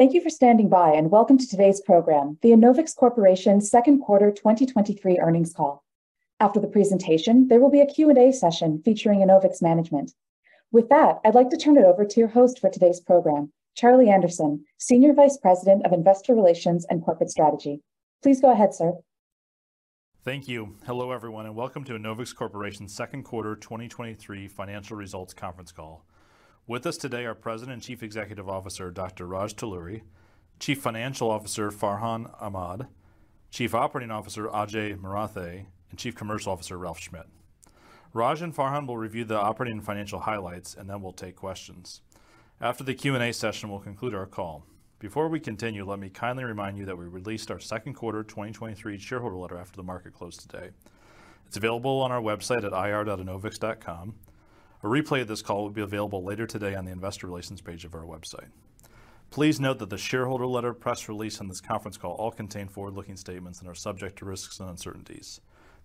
Thank you for standing by, and welcome to today's program, the Enovix Corporation's Second Quarter 2023 Earnings Call. After the presentation, there will be a Q&A session featuring Enovix management. With that, I'd like to turn it over to your host for today's program, Charlie Anderson, Senior Vice President of Investor Relations and Corporate Strategy. Please go ahead, sir. Thank you. Hello, everyone, and welcome to Enovix Corporation's Second Quarter 2023 Financial Results Conference Call. With us today are President and Chief Executive Officer, Dr. Raj Talluri, Chief Financial Officer, Farhan Ahmad, Chief Operating Officer, Ajay Marathe, and Chief Commercial Officer, Ralph Schmitt. Raj and Farhan will review the operating and financial highlights, and then we'll take questions. After the Q&A session, we'll conclude our call. Before we continue, let me kindly remind you that we released our second quarter 2023 shareholder letter after the market closed today. It's available on our website at ir.enovix.com. A replay of this call will be available later today on the Investor Relations page of our website. Please note that the shareholder letter, press release, and this conference call all contain forward-looking statements and are subject to risks and uncertainties.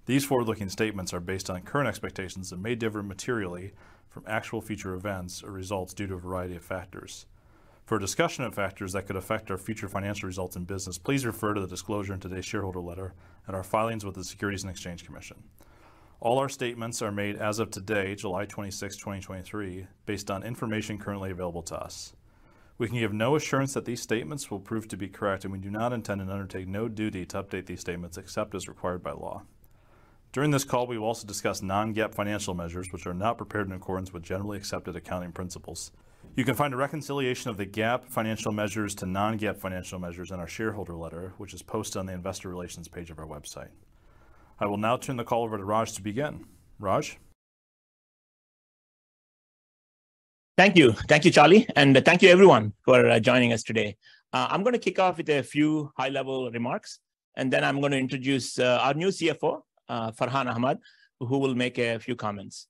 These forward-looking statements are based on current expectations and may differ materially from actual future events or results due to a variety of factors. For a discussion of factors that could affect our future financial results and business, please refer to the disclosure in today's shareholder letter and our filings with the Securities and Exchange Commission. All our statements are made as of today, July 26th, 2023, based on information currently available to us. We can give no assurance that these statements will prove to be correct, and we do not intend and undertake no duty to update these statements except as required by law. During this call, we will also discuss non-GAAP financial measures, which are not prepared in accordance with Generally Accepted Accounting Principles. You can find a reconciliation of the GAAP financial measures to non-GAAP financial measures in our shareholder letter, which is posted on the Investor Relations page of our website. I will now turn the call over to Raj to begin. Raj? Thank you. Thank you, Charlie, and thank you everyone for joining us today. I'm gonna kick off with a few high-level remarks, and then I'm gonna introduce our new CFO, Farhan Ahmad, who will make a few comments.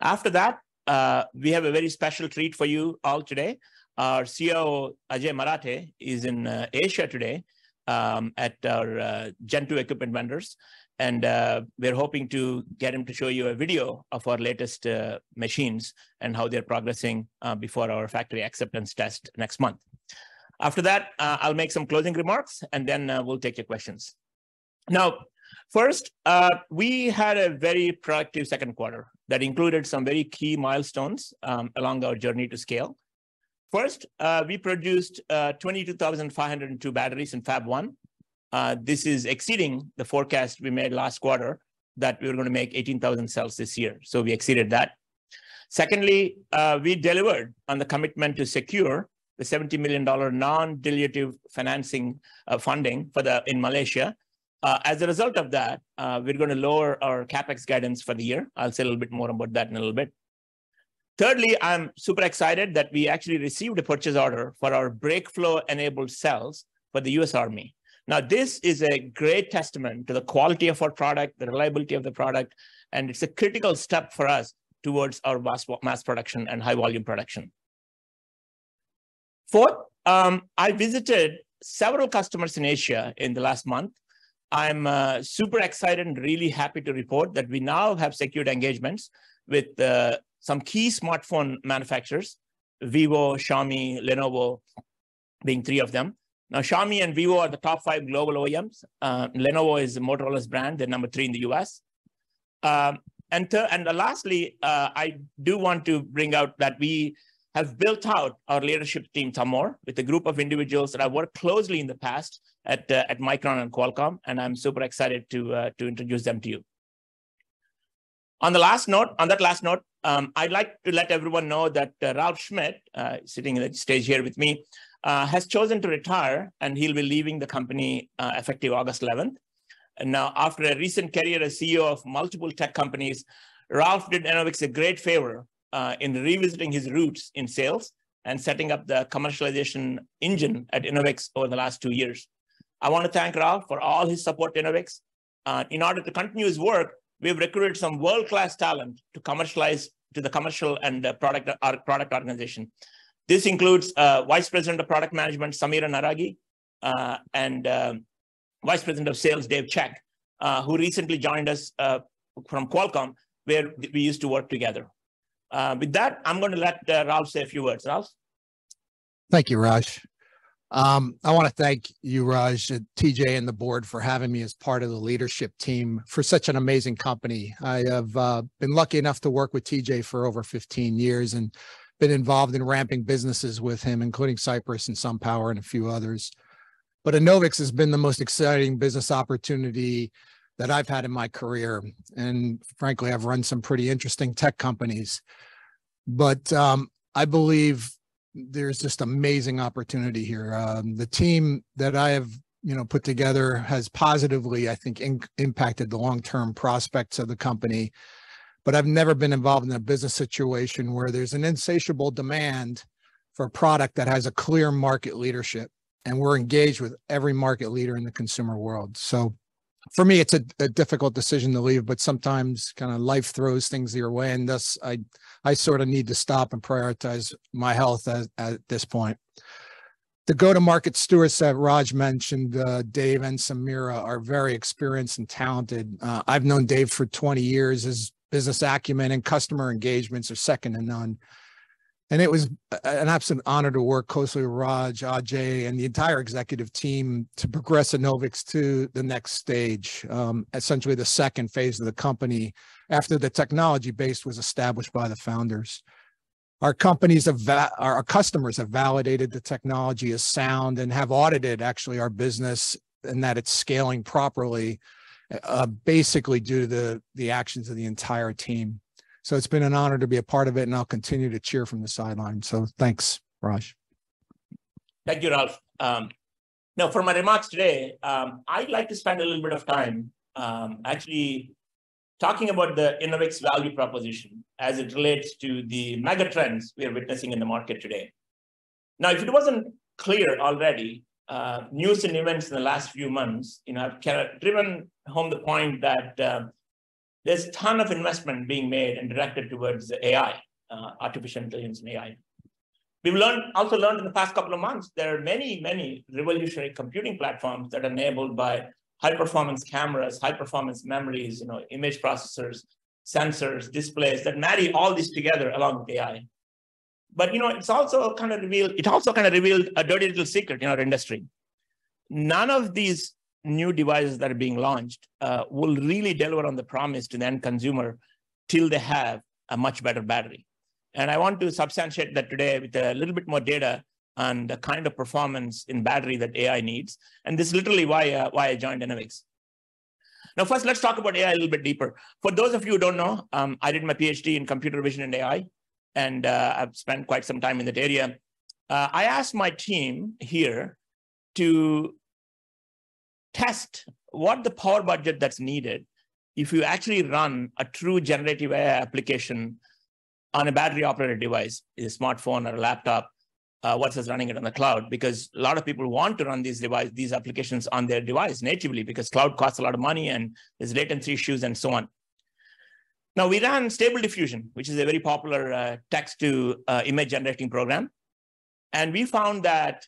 After that, we have a very special treat for you all today. Our COO, Ajay Marathe, is in Asia today, at our Gen2 equipment vendors, and we're hoping to get him to show you a video of our latest machines and how they're progressing before our Factory Acceptance Test next month. After that, I'll make some closing remarks, and then we'll take your questions. First, we had a very productive second quarter that included some very key milestones along our journey to scale. First, we produced 22,502 batteries in Fab1. This is exceeding the forecast we made last quarter that we were gonna make 18,000 cells this year, we exceeded that. Secondly, we delivered on the commitment to secure the $70 million non-dilutive financing funding in Malaysia. As a result of that, we're gonna lower our CapEx guidance for the year. I'll say a little bit more about that in a little bit. Thirdly, I'm super excited that we actually received a purchase order for our BrakeFlow-enabled cells for the U.S. Army. This is a great testament to the quality of our product, the reliability of the product, and it's a critical step for us towards our mass production and high-volume production. Fourth, I visited several customers in Asia in the last month. I'm super excited and really happy to report that we now have secured engagements with some key smartphone manufacturers: Vivo, Xiaomi, Lenovo, being three of them. Xiaomi and Vivo are the top five global OEMs. Lenovo is a Motorola's brand, they're number three in the U.S. Lastly, I do want to bring out that we have built out our leadership team some more with a group of individuals that I worked closely in the past at Micron and Qualcomm, and I'm super excited to introduce them to you. On that last note, I'd like to let everyone know that Ralph Schmitt, sitting on the stage here with me, has chosen to retire, and he'll be leaving the company effective August 11. Now, after a recent career as CEO of multiple tech companies, Ralph did Enovix a great favor in revisiting his roots in sales and setting up the commercialization engine at Enovix over the last two years. I wanna thank Ralph for all his support to Enovix. In order to continue his work, we have recruited some world-class talent to commercialize to the commercial and the product, our product organization. This includes Vice President of Product Management, Samira Naraghi, and Vice President of Sales, Dave Cech, who recently joined us from Qualcomm, where we used to work together. With that, I'm gonna let Ralph say a few words. Ralph? Thank you, Raj. I wanna thank you, Raj, and TJ, and the board for having me as part of the leadership team for such an amazing company. I have been lucky enough to work with TJ for over 15 years and been involved in ramping businesses with him, including Cypress and SunPower and a few others. Enovix has been the most exciting business opportunity that I've had in my career, and frankly, I've run some pretty interesting tech companies. I believe there's just amazing opportunity here. The team that I have, you know, put together has positively, I think, impacted the long-term prospects of the company. I've never been involved in a business situation where there's an insatiable demand for a product that has a clear market leadership, and we're engaged with every market leader in the consumer world. So for me, it's a difficult decision to leave, but sometimes, kinda life throws things your way, and thus, I sorta need to stop and prioritize my health at this point. The go-to-market stewards that Raj mentioned, Dave and Samira, are very experienced and talented. I've known Dave for 20 years. His business acumen and customer engagements are second to none. It was an absolute honor to work closely with Raj, Ajay, and the entire executive team to progress Enovix to the next stage, essentially the second phase of the company, after the technology base was established by the founders. Our customers have validated the technology as sound and have audited, actually, our business, and that it's scaling properly, basically due to the actions of the entire team. It's been an honor to be a part of it, and I'll continue to cheer from the sidelines. Thanks, Raj. Thank you, Ralph. Now, for my remarks today, I'd like to spend a little bit of time, actually talking about the Enovix value proposition as it relates to the mega trends we are witnessing in the market today. Now, if it wasn't clear already, news and events in the last few months, you know, have kind of driven home the point that there's a ton of investment being made and directed towards AI, artificial intelligence and AI. We've learned, also learned in the past couple of months, there are many, many revolutionary computing platforms that are enabled by high-performance cameras, high-performance memories, you know, image processors, sensors, displays, that marry all this together along with AI. You know, it also kinda revealed a dirty little secret in our industry. None of these new devices that are being launched, will really deliver on the promise to the end consumer till they have a much better battery. I want to substantiate that today with a little bit more data on the kind of performance in battery that AI needs. This is literally why I joined Enovix. First, let's talk about AI a little bit deeper. For those of you who don't know, I did my PhD in computer vision and AI. I've spent quite some time in that area. I asked my team here to test what the power budget that's needed if you actually run a true generative AI application on a battery-operated device, a smartphone or a laptop, versus running it on the cloud, because a lot of people want to run these applications on their device natively, because cloud costs a lot of money, and there's latency issues, and so on. We ran Stable Diffusion, which is a very popular, text-to image-generating program, and we found that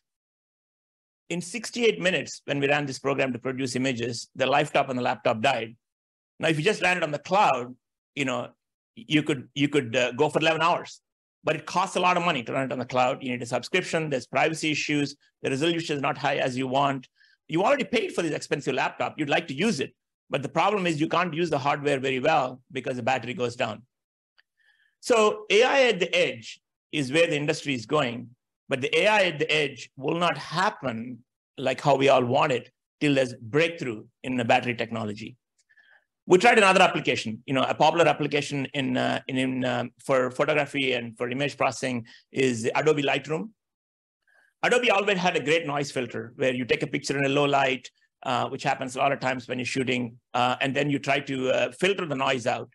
in 68 minutes, when we ran this program to produce images, the life top on the laptop died. If you just ran it on the cloud, you know, you could go for 11 hours. It costs a lot of money to run it on the cloud. You need a subscription, there's privacy issues, the resolution is not high as you want. You already paid for this expensive laptop. You'd like to use it, but the problem is you can't use the hardware very well because the battery goes down. So, AI at the edge is where the industry is going, but the AI at the edge will not happen, like how we all want it, till there's breakthrough in the battery technology. We tried another application. You know, a popular application in for photography and for image processing is Adobe Lightroom. Adobe always had a great noise filter, where you take a picture in a low light, which happens a lot of times when you're shooting, and then you try to filter the noise out.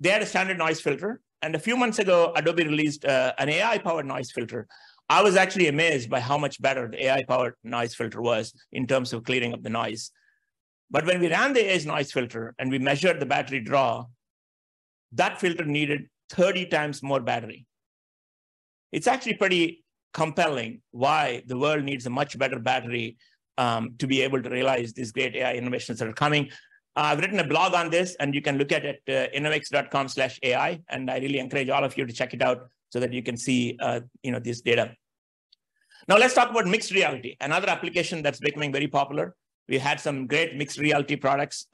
They had a standard noise filter, and a few months ago, Adobe released an AI-powered noise filter. I was actually amazed by how much better the AI-powered noise filter was in terms of clearing up the noise. But when we ran the AI noise filter, and we measured the battery draw, that filter needed 30 times more battery. It's actually pretty compelling why the world needs a much better battery to be able to realize these great AI innovations that are coming. I've written a blog on this, and you can look at it, enovix.com/ai, and I really encourage all of you to check it out so that you can see, you know, this data. Now, let's talk about mixed reality, another application that's becoming very popular. We had some great mixed reality products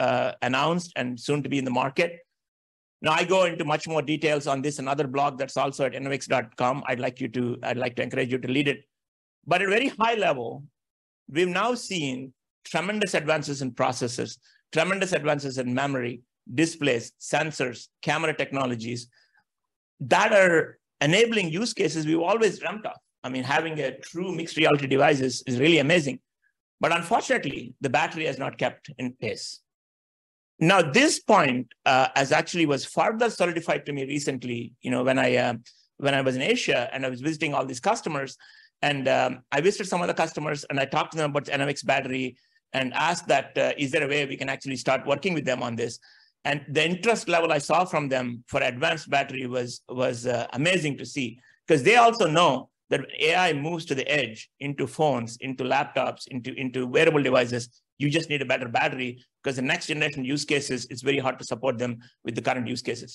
announced, and soon to be in the market. I go into much more details on this another blog that's also at enovix.com. I'd like to encourage you to read it. At very high level, we've now seen tremendous advances in processors, tremendous advances in memory, displays, sensors, camera technologies, that are enabling use cases we've always dreamt of. I mean, having a true mixed reality device is really amazing, but unfortunately, the battery has not kept in pace. Now this point, as actually was further solidified to me recently, you know, when I was in Asia, and I was visiting all these customers, and I visited some of the customers, and I talked to them about Enovix battery and asked that, is there a way we can actually start working with them on this? The interest level I saw from them for advanced battery was amazing to see, 'cause they also know that AI moves to the edge, into phones, into laptops, into wearable devices. You just need a better battery, 'cause the next-generation use cases, it's very hard to support them with the current use cases.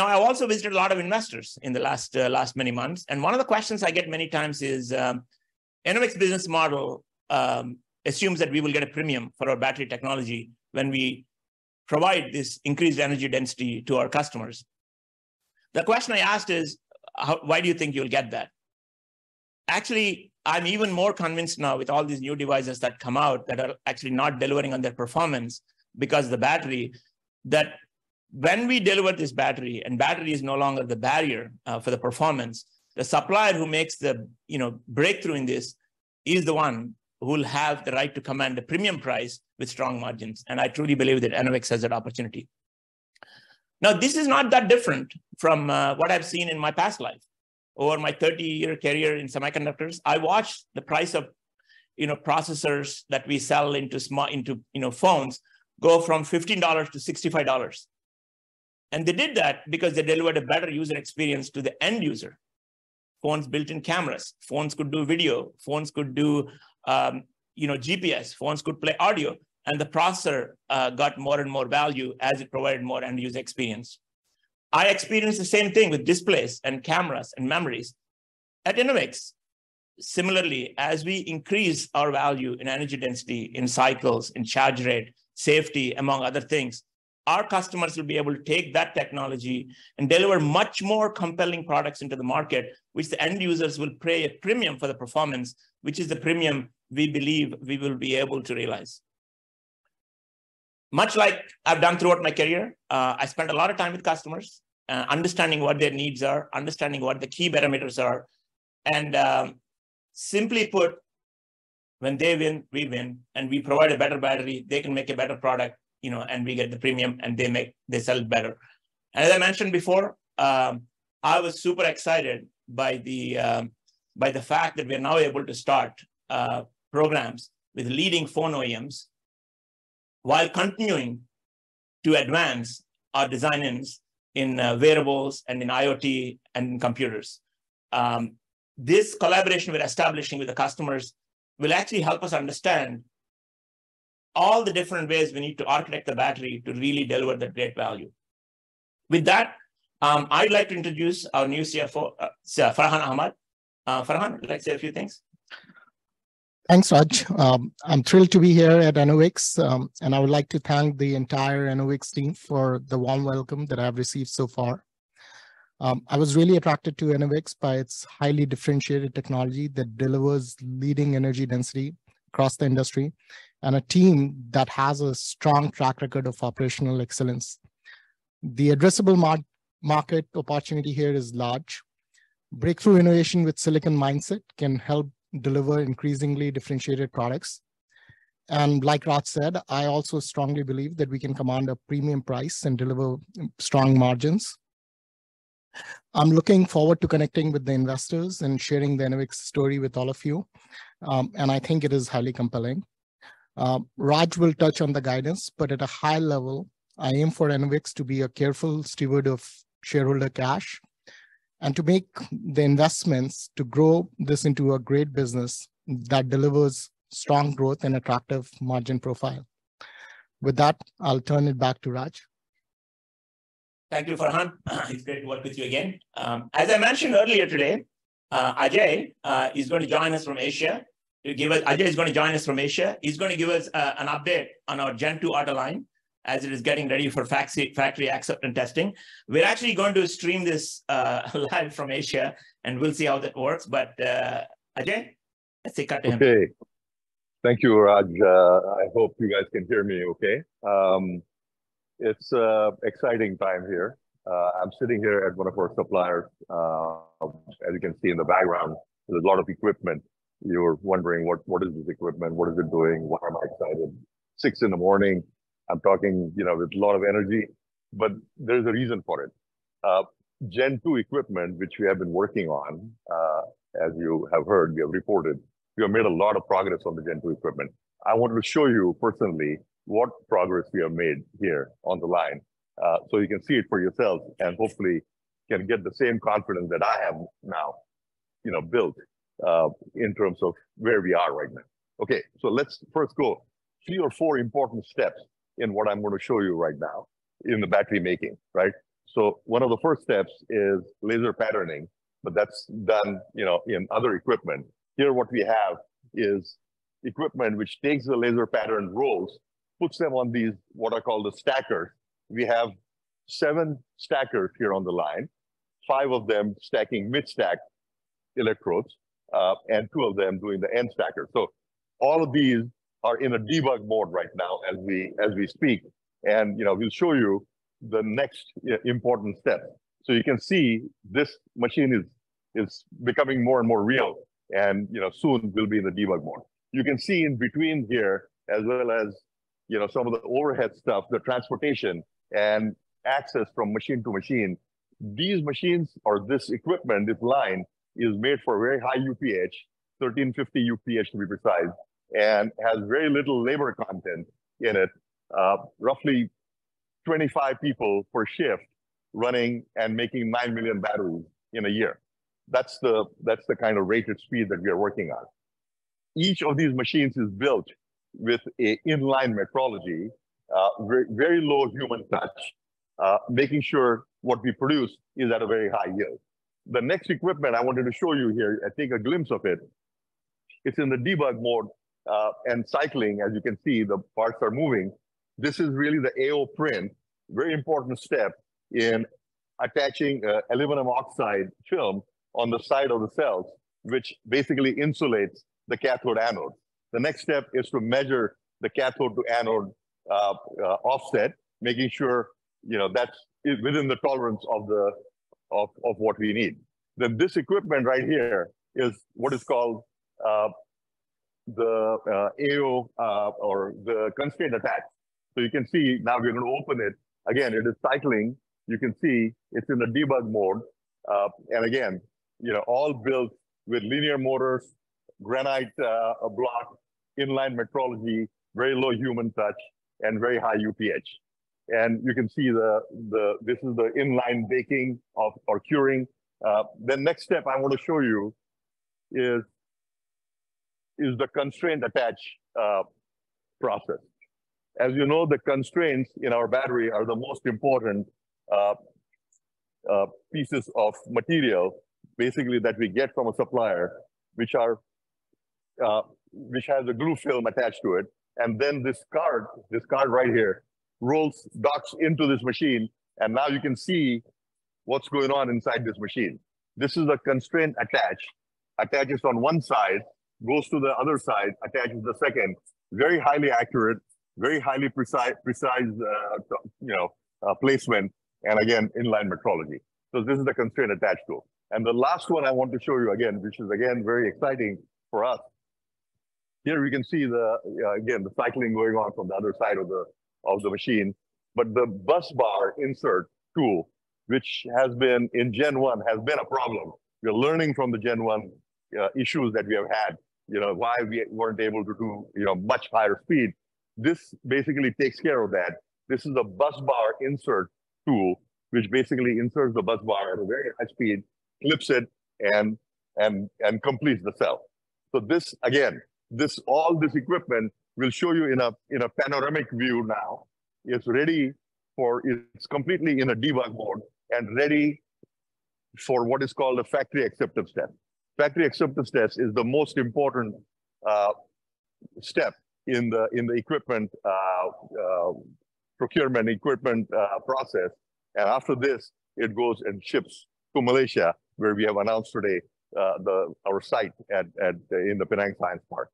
I also visited a lot of investors in the last last many months, one of the questions I get many times is, "Enovix business model assumes that we will get a premium for our battery technology when we provide this increased energy density to our customers." The question I asked is, "Why do you think you'll get that?" Actually I'm even more convinced now with all these new devices that come out that are actually not delivering on their performance because the battery, that when we deliver this battery, and battery is no longer the barrier for the performance, the supplier who makes the, you know, breakthrough in this is the one who will have the right to command a premium price with strong margins, and I truly believe that Enovix has that opportunity. Now, this is not that different from what I've seen in my past life. Over my 30-year career in semiconductors, I watched the price of, you know, processors that we sell into, you know, phones, go from $15 to $65. They did that because they delivered a better user experience to the end user. Phones built-in cameras, phones could do video, phones could do, you know, GPS, phones could play audio, and the processor got more and more value as it provided more end user experience. I experienced the same thing with displays and cameras and memories. At Enovix, similarly, as we increase our value in energy density, in cycles, in charge rate, safety, among other things, our customers will be able to take that technology and deliver much more compelling products into the market, which the end users will pay a premium for the performance, which is the premium we believe we will be able to realize. Much like I've done throughout my career, I spent a lot of time with customers, understanding what their needs are, understanding what the key parameters are, and, simply put, when they win, we win, and we provide a better battery, they can make a better product, you know, and we get the premium, and they sell it better. As I mentioned before, I was super excited by the fact that we are now able to start programs with leading phone OEMs, while continuing to advance our design-ins in wearables and in IoT and computers. This collaboration we're establishing with the customers will actually help us understand all the different ways we need to architect the battery to really deliver the great value. With that, I'd like to introduce our new CFO, Farhan Ahmad. Farhan, would you like to say a few things? Thanks, Raj. I'm thrilled to be here at Enovix, and I would like to thank the entire Enovix team for the warm welcome that I've received so far. I was really attracted to Enovix by its highly differentiated technology that delivers leading energy density across the industry, and a team that has a strong track record of operational excellence. The addressable market opportunity here is large. Breakthrough innovation with silicon mindset can help deliver increasingly differentiated products. Like Raj said, I also strongly believe that we can command a premium price and deliver strong margins. I'm looking forward to connecting with the investors and sharing the Enovix story with all of you. I think it is highly compelling. Raj will touch on the guidance, but at a high level, I aim for Enovix to be a careful steward of shareholder cash, and to make the investments to grow this into a great business that delivers strong growth and attractive margin profile. With that, I'll turn it back to Raj. Thank you, Farhan. It's great to work with you again. As I mentioned earlier today, Ajay is going to join us from Asia. He's going to give us an update on our Gen2 auto line as it is getting ready for factory acceptance testing. We're actually going to stream this live from Asia, and we'll see how that works, but Ajay, let's say cut to him. Okay. Thank you, Raj. I hope you guys can hear me okay. it's a exciting time here. I'm sitting here at one of our suppliers'. as you can see in the background, there's a lot of equipment. You're wondering what is this equipment? What is it doing? Why am I excited? 6:00 A.M. I'm talking, you know, with a lot of energy, but there's a reason for it. Gen2 equipment, which we have been working on, as you have heard, we have reported, we have made a lot of progress on the Gen2 equipment. I wanted to show you personally what progress we have made here on the line, so you can see it for yourselves, and hopefully you can get the same confidence that I have now, you know, built in terms of where we are right now. Okay so let's first go three or four important steps in what I'm going to show you right now in the battery making, right? One of the first steps is laser patterning, but that's done, you know, in other equipment. Here, what we have is equipment which takes the laser pattern rolls, puts them on these, what are called the stacker. We have seven stackers here on the line, five of them stacking mid-stack electrodes, and two of them doing the end stacker. All of these are in a debug mode right now as we speak, and, you know, we'll show you the next important step. You can see this machine is becoming more and more real, and, you know, soon will be in the debug mode. You can see in between here, as well as, you know, some of the overhead stuff, the transportation and access from machine to machine. These machines or this equipment, this line, is made for very high UPH, 1,350 UPH, to be precise, and has very little labor content in it. Roughly 25 people per shift, running and making 9 million batteries in a year. That's the kind of rated speed that we are working on. Each of these machines is built with in-line metrology, very low human touch, making sure what we produce is at a very high yield. The next equipment I wanted to show you here, and take a glimpse of it's in the debug mode and cycling. As you can see, the parts are moving. This is really the AO Print. Very important step in attaching aluminum oxide film on the side of the cells, which basically insulates the cathode anode. The next step is to measure the cathode to anode offset, making sure, you know, that's within the tolerance of the, of what we need. This equipment right here is what is called the AO or the constraint attach. You can see, now we're going to open it. Again, it is cycling. You can see it's in the debug mode. And again, you know, all built with linear motors, granite block, in-line metrology, very low human touch, and very high UPH. You can see the this is the inline baking of or curing. The next step I want to show you is the constraint attach process. As you know, the constraints in our battery are the most important pieces of material, basically, that we get from a supplier, which has a glue film attached to it. This card right here, rolls, docks into this machine, and now you can see what's going on inside this machine. This is a constraint attach. Attaches on one side, goes to the other side, attaches the second. Very highly accurate, very highly precise, you know, placement and again, in-line metrology. This is the constraint attach tool. The last one I want to show you again, which is again, very exciting for us. Here we can see the, again, the cycling going on from the other side of the, of the machine. The busbar insert tool, which has been in Gen1, has been a problem. We're learning from the Gen1 issues that we have had. You know, why we weren't able to do, you know, much higher speed. This basically takes care of that. This is a busbar insert tool, which basically inserts the busbar at a very high speed, clips it, and completes the cell. This again, all this equipment will show you in a, in a panoramic view now. It's ready for it's completely in a debug mode and ready for what is called a Factory Acceptance Test. Factory Acceptance Test is the most important step in the equipment procurement, equipment process. After this, it goes and ships to Malaysia, where we have announced today the our site at in the Penang Science Park.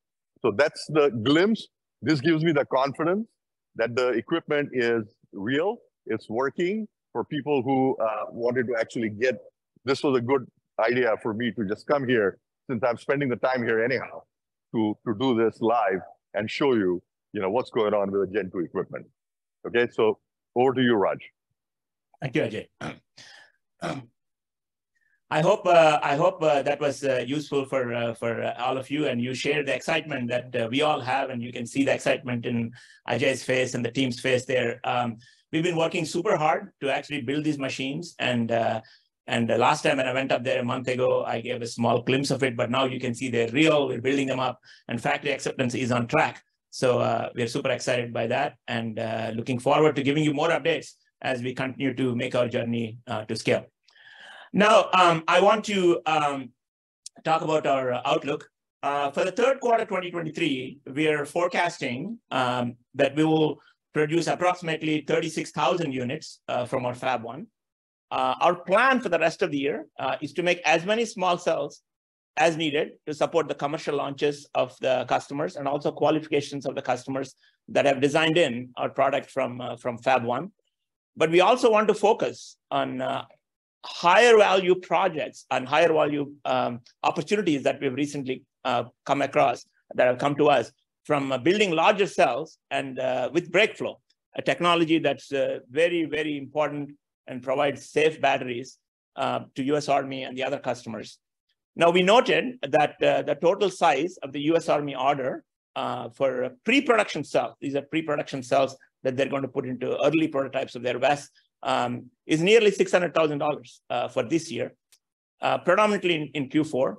That's the glimpse. This gives me the confidence that the equipment is real, it's working. For people who wanted to actually get, this was a good idea for me to just come here, since I'm spending the time here anyhow, to do this live and show you know, what's going on with the Gen2 equipment. Over to you, Raj. Thank you, Ajay. I hope that was useful for all of you, and you share the excitement that we all have, and you can see the excitement in Ajay's face and the team's face there. We've been working super hard to actually build these machines, and the last time that I went up there a month ago, I gave a small glimpse of it, but now you can see they're real. We're building them up, factory acceptance is on track. We are super excited by that and looking forward to giving you more updates as we continue to make our journey to scale. I want to talk about our outlook. For the third quarter of 2023, we are forecasting that we will produce approximately 36,000 units from our Fab1. Our plan for the rest of the year is to make as many small cells as needed to support the commercial launches of the customers and also qualifications of the customers that have designed in our product from Fab1. We also want to focus on higher value projects and higher value opportunities that we've recently come across, that have come to us from building larger cells and with BrakeFlow, a technology that's very, very important and provides safe batteries to U.S. Army and the other customers. We noted that the total size of the U.S. Army order for pre-production cells, these are pre-production cells that they're going to put into early prototypes of their vests, is nearly $600,000 for this year, predominantly in Q4.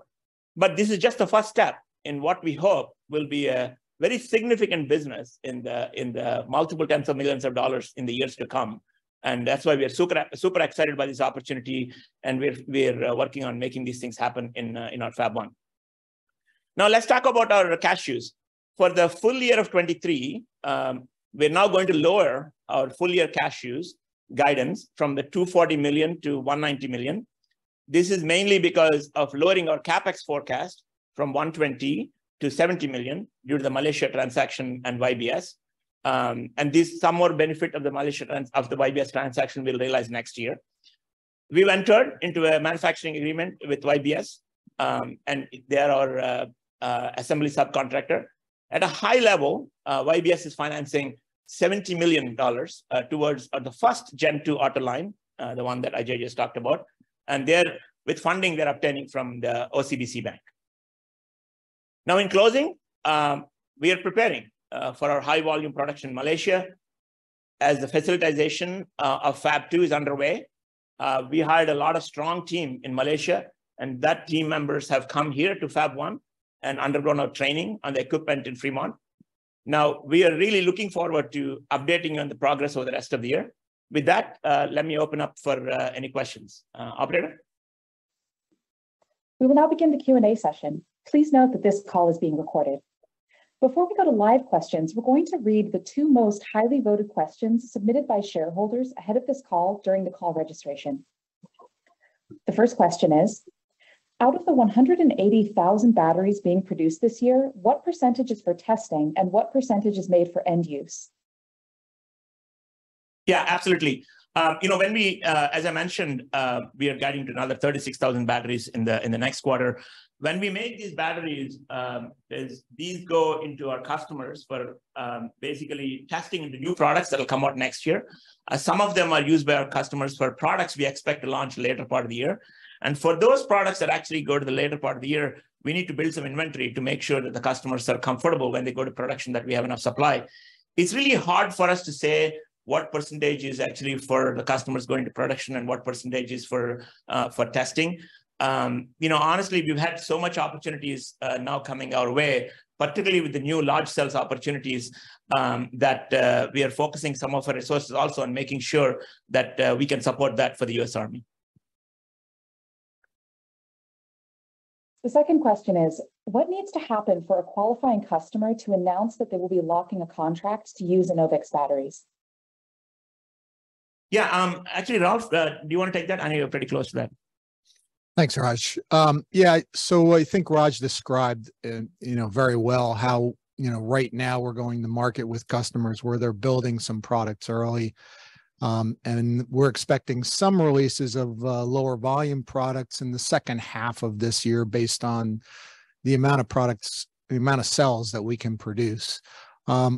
This is just the first step in what we hope will be a very significant business in the multiple tens of millions of dollars in the years to come. That's why we are super excited by this opportunity, and we're working on making these things happen in our Fab1. Let's talk about our cash use. For the full year of 2023, we're now going to lower our full-year cash use guidance from the $240 million-$190 million. This is mainly because of lowering our CapEx forecast from $120 million-$70 million due to the Malaysia transaction and YBS. This some more benefit of the YBS transaction will realize next year. We've entered into a manufacturing agreement with YBS, and they're our assembly subcontractor. At a high level, YBS is financing $70 million towards the first Gen2 auto line, the one that Ajay just talked about, and they're with funding they're obtaining from the OCBC Bank. In closing, we are preparing for our high volume production in Malaysia, as the facilitation of Fab2 is underway. We hired a lot of strong team in Malaysia, and that team members have come here to Fab1 and undergone our training on the equipment in Fremont. Now, we are really looking forward to updating you on the progress over the rest of the year. With that, let me open up for any questions. Operator? We will now begin the Q&A session. Please note that this call is being recorded. Before we go to live questions, we're going to read the two most highly voted questions submitted by shareholders ahead of this call during the call registration. The first question is: Out of the 180,000 batteries being produced this year, what percentage is for testing and what percentage is made for end use? Yeah, absolutely. You know, when we, as I mentioned, we are getting to another 36,000 batteries in the next quarter. When we make these batteries, these go into our customers for basically testing the new products that will come out next year. Some of them are used by our customers for products we expect to launch later part of the year. For those products that actually go to the later part of the year, we need to build some inventory to make sure that the customers are comfortable when they go to production, that we have enough supply. It's really hard for us to say what percentage is actually for the customers going to production and what percentage is for testing. You know, honestly, we've had so much opportunities, now coming our way, particularly with the new large sales opportunities, that we are focusing some of our resources also on making sure that we can support that for the U.S. Army. The second question is: What needs to happen for a qualifying customer to announce that they will be locking a contract to use Enovix batteries? Yeah, actually, Ralph, do you want to take that? I know you're pretty close to that. Thanks, Raj. Yeah, I think Raj described, you know, very well how, you know, right now we're going to market with customers where they're building some products early. We're expecting some releases of lower volume products in the second half of this year, based on the amount of products, the amount of cells that we can produce.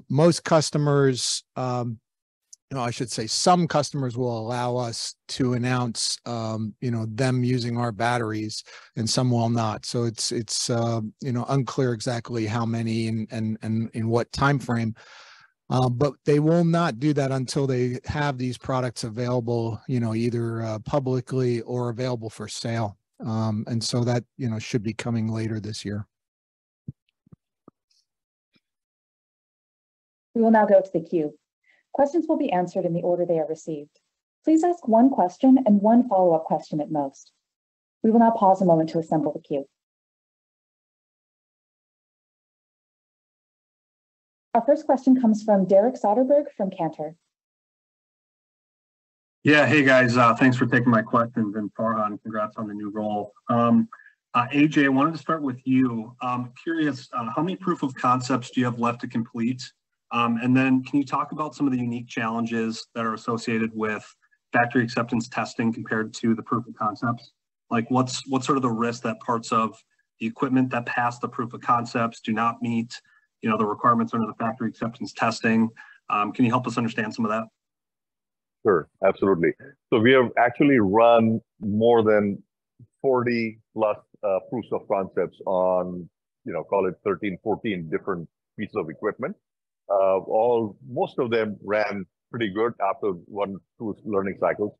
Most customers, you know, I should say, some customers will allow us to announce, you know, them using our batteries, and some will not. It's, you know, unclear exactly how many and in what timeframe. But they will not do that until they have these products available, you know, either publicly or available for sale. That, you know, should be coming later this year. We will now go to the queue. Questions will be answered in the order they are received. Please ask one question and one follow-up question at most. We will now pause a moment to assemble the queue. Our first question comes from Derek Soderberg from Cantor. Hey, guys. Thanks for taking my questions. Farhan, congrats on the new role. AJ, I wanted to start with you. Curious, how many proof of concepts do you have left to complete? Then can you talk about some of the unique challenges that are associated with Factory Acceptance Test compared to the proof of concepts? Like, what's sort of the risk that parts of the equipment that passed the proof of concepts do not meet, you know, the requirements under the Factory Acceptance Test? Can you help us understand some of that? Sure, absolutely. We have actually run more than 40+ proofs of concepts on, you know, call it 13, 14 different pieces of equipment. Most of them ran pretty good after one, two learning cycles.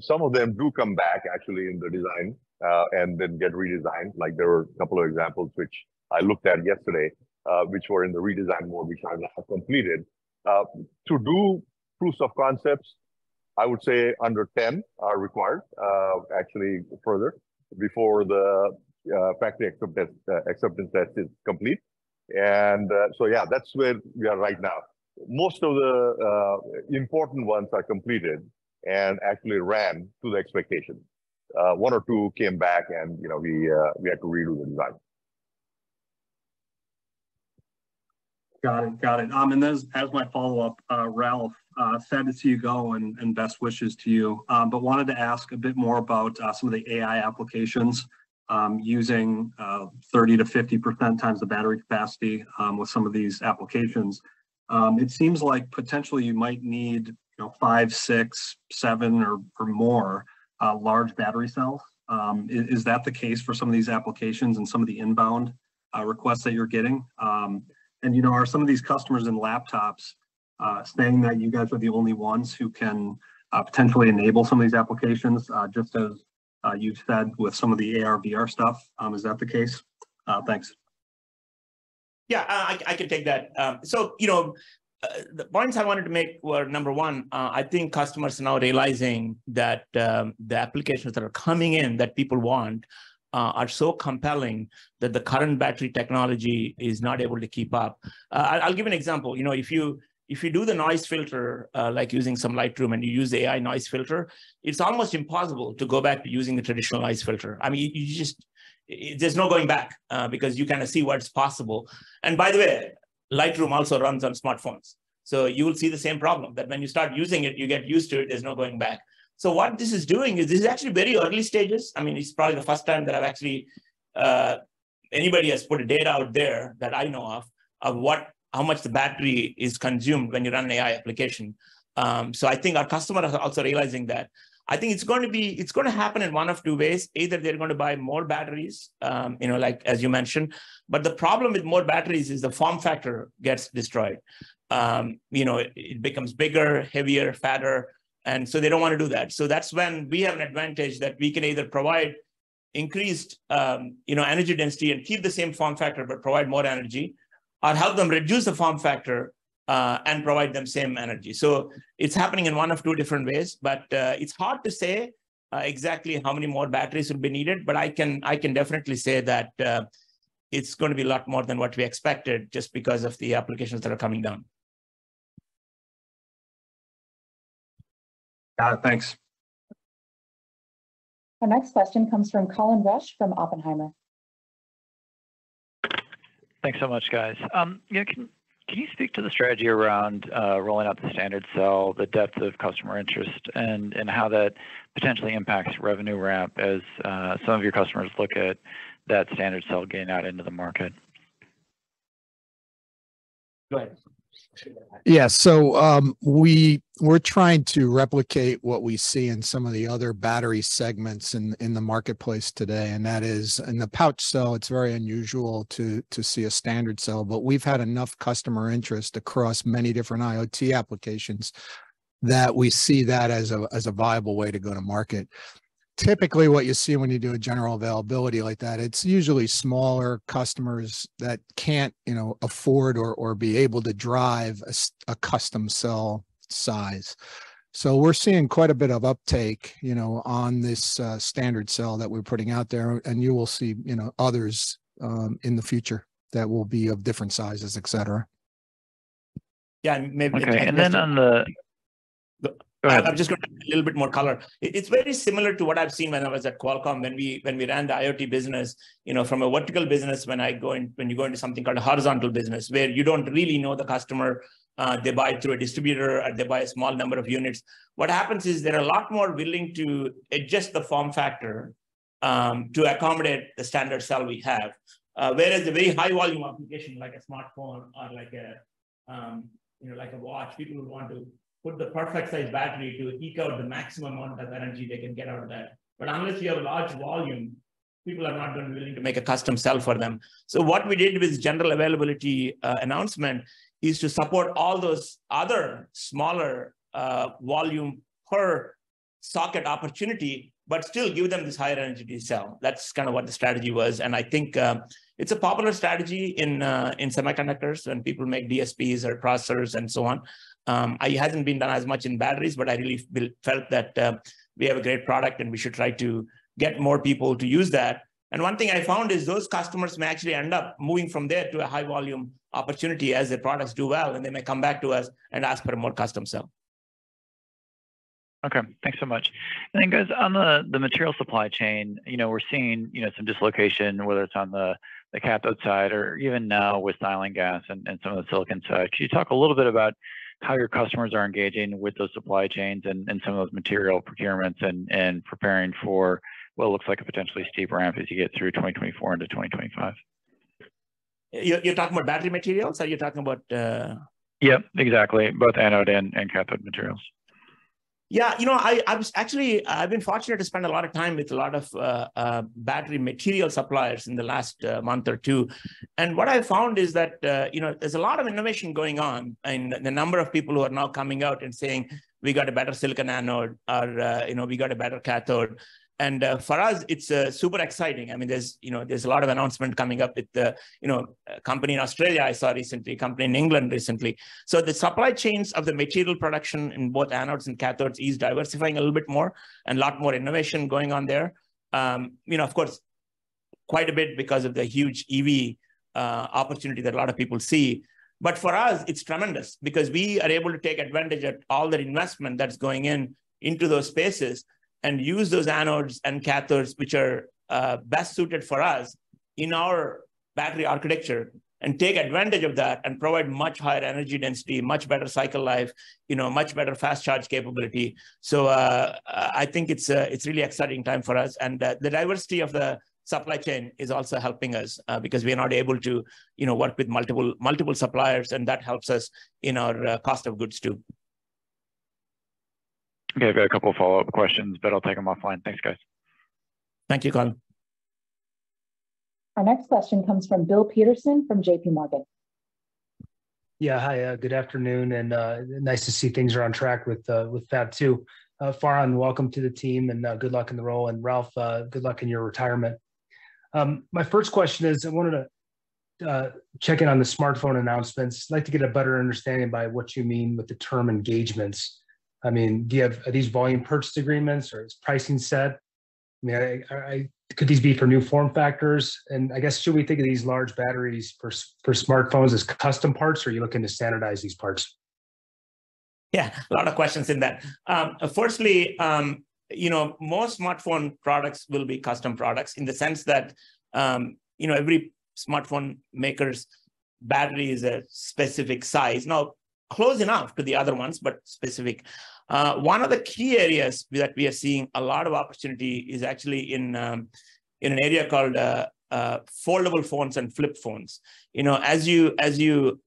Some of them do come back, actually, in the design and then get redesigned. Like, there were a couple of examples which I looked at yesterday, which were in the redesign mode, which I have completed. To do proofs of concepts, I would say under 10 are required, actually further before the Factory Acceptance Test is complete. Yeah, that's where we are right now. Most of the important ones are completed and actually ran to the expectation. 1 or 2 came back, and, you know, we had to redo the design. Got it. Got it. As, as my follow-up, Ralph, sad to see you go, and best wishes to you. Wanted to ask a bit more about some of the AI applications, using 30%-50% times the battery capacity, with some of these applications. It seems like potentially you might need, you know, five, six, seven, or more, large battery cells. Is that the case for some of these applications and some of the inbound requests that you're getting? You know, are some of these customers in laptops, saying that you guys are the only ones who can potentially enable some of these applications, just as you've said with some of the AR/VR stuff? Is that the case? Thanks. Yeah, I can take that. You know, the points I wanted to make were, number one, I think customers are now realizing that, the applications that are coming in, that people want, are so compelling that the current battery technology is not able to keep up. I'll give you an example. You know, if you do the noise filter, like using some Lightroom and you use AI noise filter, it's almost impossible to go back to using the traditional noise filter. I mean, you just... There's no going back, because you kinda see what's possible. By the way, Lightroom also runs on smartphones. You will see the same problem, that when you start using it, you get used to it, there's no going back. What this is doing is this is actually very early stages. I mean, it's probably the first time that I've actually, anybody has put data out there, that I know of, how much the battery is consumed when you run an AI application. I think our customers are also realizing that. I think it's gonna happen in one of two ways: either they're going to buy more batteries, you know, like, as you mentioned, but the problem with more batteries is the form factor gets destroyed. You know, it becomes bigger, heavier, fatter, they don't want to do that. That's when we have an advantage that we can either provide increased, you know, energy density and keep the same form factor, but provide more energy, or help them reduce the form factor and provide them same energy. It's happening in one of two different ways, but it's hard to say exactly how many more batteries would be needed, but I can definitely say that it's going to be a lot more than what we expected, just because of the applications that are coming down. Got it. Thanks. Our next question comes from Colin Rusch, from Oppenheimer. Thanks so much, guys. yeah, can you speak to the strategy around rolling out the standard cell, the depth of customer interest, and how that potentially impacts revenue ramp as some of your customers look at that standard cell getting out into the market? Go ahead. We're trying to replicate what we see in some of the other battery segments in the marketplace today, that is, in the pouch cell, it's very unusual to see a standard cell. We've had enough customer interest across many different IoT applications, that we see that as a viable way to go to market. Typically, what you see when you do a general availability like that, it's usually smaller customers that can't, you know, afford or be able to drive a custom cell size. We're seeing quite a bit of uptake, you know, on this standard cell that we're putting out there, you will see, you know, others in the future that will be of different sizes, et cetera. Yeah, and maybe- Okay. On the- go ahead. I'm just gonna need a little bit more color. It's very similar to what I've seen when I was at Qualcomm, when we ran the IoT business. You know, from a vertical business, when you go into something called a horizontal business, where you don't really know the customer, they buy through a distributor, and they buy a small number of units. What happens is, they're a lot more willing to adjust the form factor to accommodate the standard cell we have. Whereas the very high volume application, like a smartphone or like a, you know, like a watch, people would want to put the perfect size battery to eke out the maximum amount of energy they can get out of that. Unless you have a large volume, people are not going to be willing to make a custom cell for them. What we did with general availability announcement, is to support all those other smaller volume per socket opportunity, but still give them this higher energy cell. That's kind of what the strategy was, and I think it's a popular strategy in semiconductors, when people make DSPs or processors, and so on. It hasn't been done as much in batteries, but I really feel, felt that we have a great product, and we should try to get more people to use that. One thing I found is those customers may actually end up moving from there to a high volume opportunity as their products do well, and they may come back to us and ask for a more custom cell. Okay, thanks so much. Guys, on the material supply chain, you know, we're seeing, you know, some dislocation, whether it's on the cathode side or even now with silane gas and some of the silicon side. Can you talk a little bit about how your customers are engaging with those supply chains and some of those material procurements and preparing for what looks like a potentially steep ramp as you get through 2024 into 2025? You're talking about battery materials, or you're talking about? Yep, exactly. Both anode and cathode materials. Yeah. You know, I was actually, I've been fortunate to spend a lot of time with a lot of battery material suppliers in the last month or two. What I found is that, you know, there's a lot of innovation going on, and the number of people who are now coming out and saying, "We got a better silicon anode," or, you know, "We got a better cathode." For us, it's super exciting. I mean, there's, you know, there's a lot of announcement coming up with the, you know, a company in Australia I saw recently, a company in England recently. The supply chains of the material production in both anodes and cathodes is diversifying a little bit more, and a lot more innovation going on there. You know, of course, quite a bit because of the huge EV opportunity that a lot of people see. For us, it's tremendous because we are able to take advantage of all that investment that's going into those spaces, and use those anodes and cathodes, which are best suited for us in our battery architecture, and take advantage of that, and provide much higher energy density, much better cycle life, you know, much better fast charge capability. I think it's a really exciting time for us. The diversity of the supply chain is also helping us because we are now able to, you know, work with multiple suppliers, and that helps us in our cost of goods, too. Okay. I've got a couple follow-up questions, but I'll take them offline. Thanks, guys. Thank you, Colin. Our next question comes from Bill Peterson from JPMorgan. Yeah. Hi, good afternoon, and nice to see things are on track with that, too. Farhan, welcome to the team, and good luck in the role. Ralph, good luck in your retirement. My first question is, I wanted to check in on the smartphone announcements. I'd like to get a better understanding by what you mean by the term engagements. I mean, are these volume purchase agreements, or is pricing set? I mean, I could these be for new form factors? I guess, should we think of these large batteries for smartphones as custom parts, or are you looking to standardize these parts? Yeah, a lot of questions in that. Firstly, you know, most smartphone products will be custom products in the sense that, you know, every smartphone maker's battery is a specific size. Now, close enough to the other ones, but specific. One of the key areas that we are seeing a lot of opportunity is actually in an area called foldable phones and flip phones. You know, as you, as you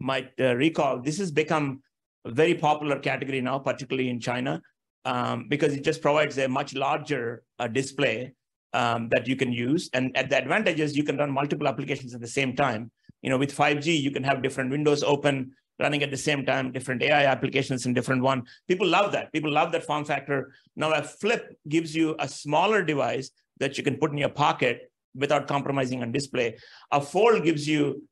might recall, this has become a very popular category now, particularly in China, because it just provides a much larger display that you can use. The advantage is you can run multiple applications at the same time. You know, with 5G, you can have different windows open, running at the same time, different AI applications in different one. People love that. People love that form factor. A flip gives you a smaller device that you can put in your pocket without compromising on display. A fold gives you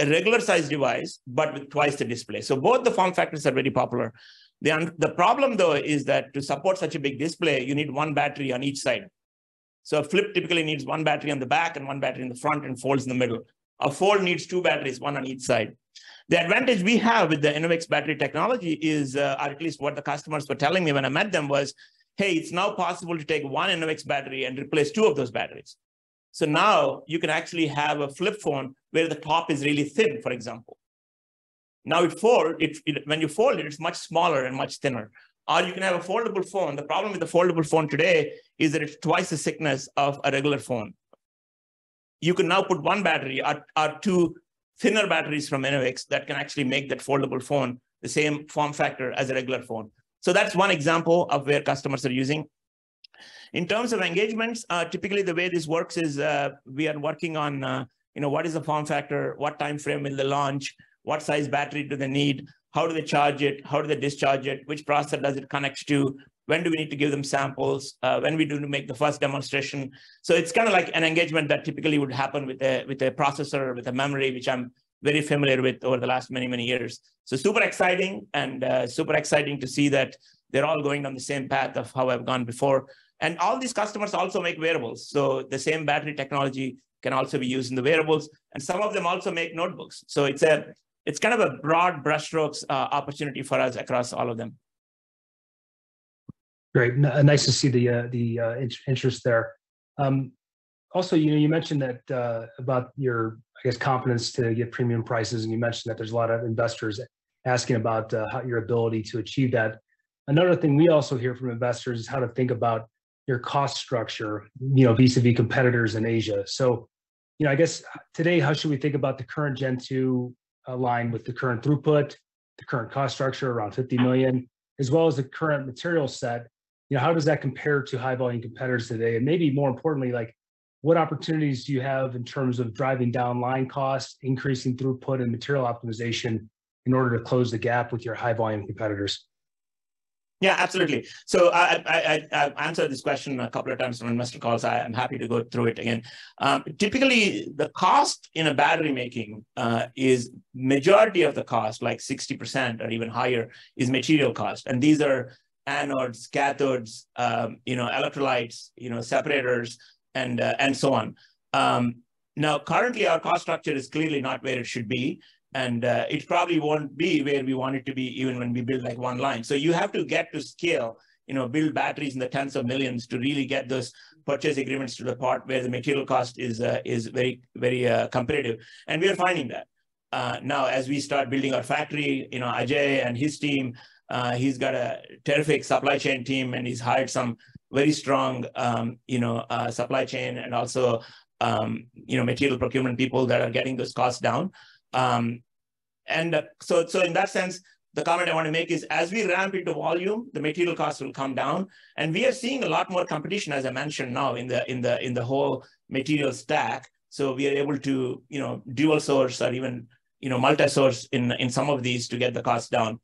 a regular-sized device but with twice the display. Both the form factors are very popular. The problem, though, is that to support such a big display, you need one battery on each side. A flip typically needs one battery on the back and one battery in the front, and folds in the middle. A fold needs two batteries, one on each side. The advantage we have with the Enovix battery technology is, or at least what the customers were telling me when I met them, was, "Hey, it's now possible to take one Enovix battery and replace two of those batteries." Now you can actually have a flip phone where the top is really thin, for example. When you fold it's much smaller and much thinner. You can have a foldable phone. The problem with the foldable phone today is that it's twice the thickness of a regular phone. You can now put one battery or two thinner batteries from Enovix that can actually make that foldable phone the same form factor as a regular phone. That's one example of where customers are using. In terms of engagements, typically the way this works is, we are working on, you know, what is the form factor? What time frame is the launch? What size battery do they need? How do they charge it? How do they discharge it? Which processor does it connect to? When do we need to give them samples? When we do make the first demonstration? It's kinda like an engagement that typically would happen with a, with a processor, with a memory, which I'm very familiar with over the last many, many years. Super exciting and, super exciting to see that they're all going on the same path of how I've gone before. All these customers also make wearables, so the same battery technology can also be used in the wearables, and some of them also make notebooks. It's a, it's kind of a broad brushstrokes, opportunity for us across all of them. Great. nice to see the the interest there. Also, you know, you mentioned that about your, I guess, confidence to get premium prices, and you mentioned that there's a lot of investors asking about your ability to achieve that. Another thing we also hear from investors is how to think about your cost structure, you know, vis-à-vis competitors in Asia. You know, I guess today, how should we think about the current Gen2, align with the current throughput, the current cost structure around $50 million, as well as the current material set? You know, how does that compare to high-volume competitors today? Maybe more importantly, like, what opportunities do you have in terms of driving down line costs, increasing throughput and material optimization in order to close the gap with your high-volume competitors? Yeah, absolutely. I've answered this question a couple of times on investor calls. I'm happy to go through it again. Typically, the cost in a battery making is majority of the cost, like 60% or even higher, is material cost, and these are anodes, cathodes, you know, electrolytes, you know, separators, and so on. Currently, our cost structure is clearly not where it should be, and it probably won't be where we want it to be, even when we build, like, one line. You have to get to scale, you know, build batteries in the tens of millions to really get those purchase agreements to the part where the material cost is very, very competitive, and we are finding that. Now as we start building our factory, you know, Ajay and his team, he's got a terrific supply chain team, and he's hired some very strong, you know, supply chain and also, you know, material procurement people that are getting those costs down. In that sense, the comment I want to make is, as we ramp into volume, the material costs will come down, and we are seeing a lot more competition, as I mentioned, now, in the whole material stack. So we are able to, you know, dual source or even, you know, multi-source in some of these to get the cost down.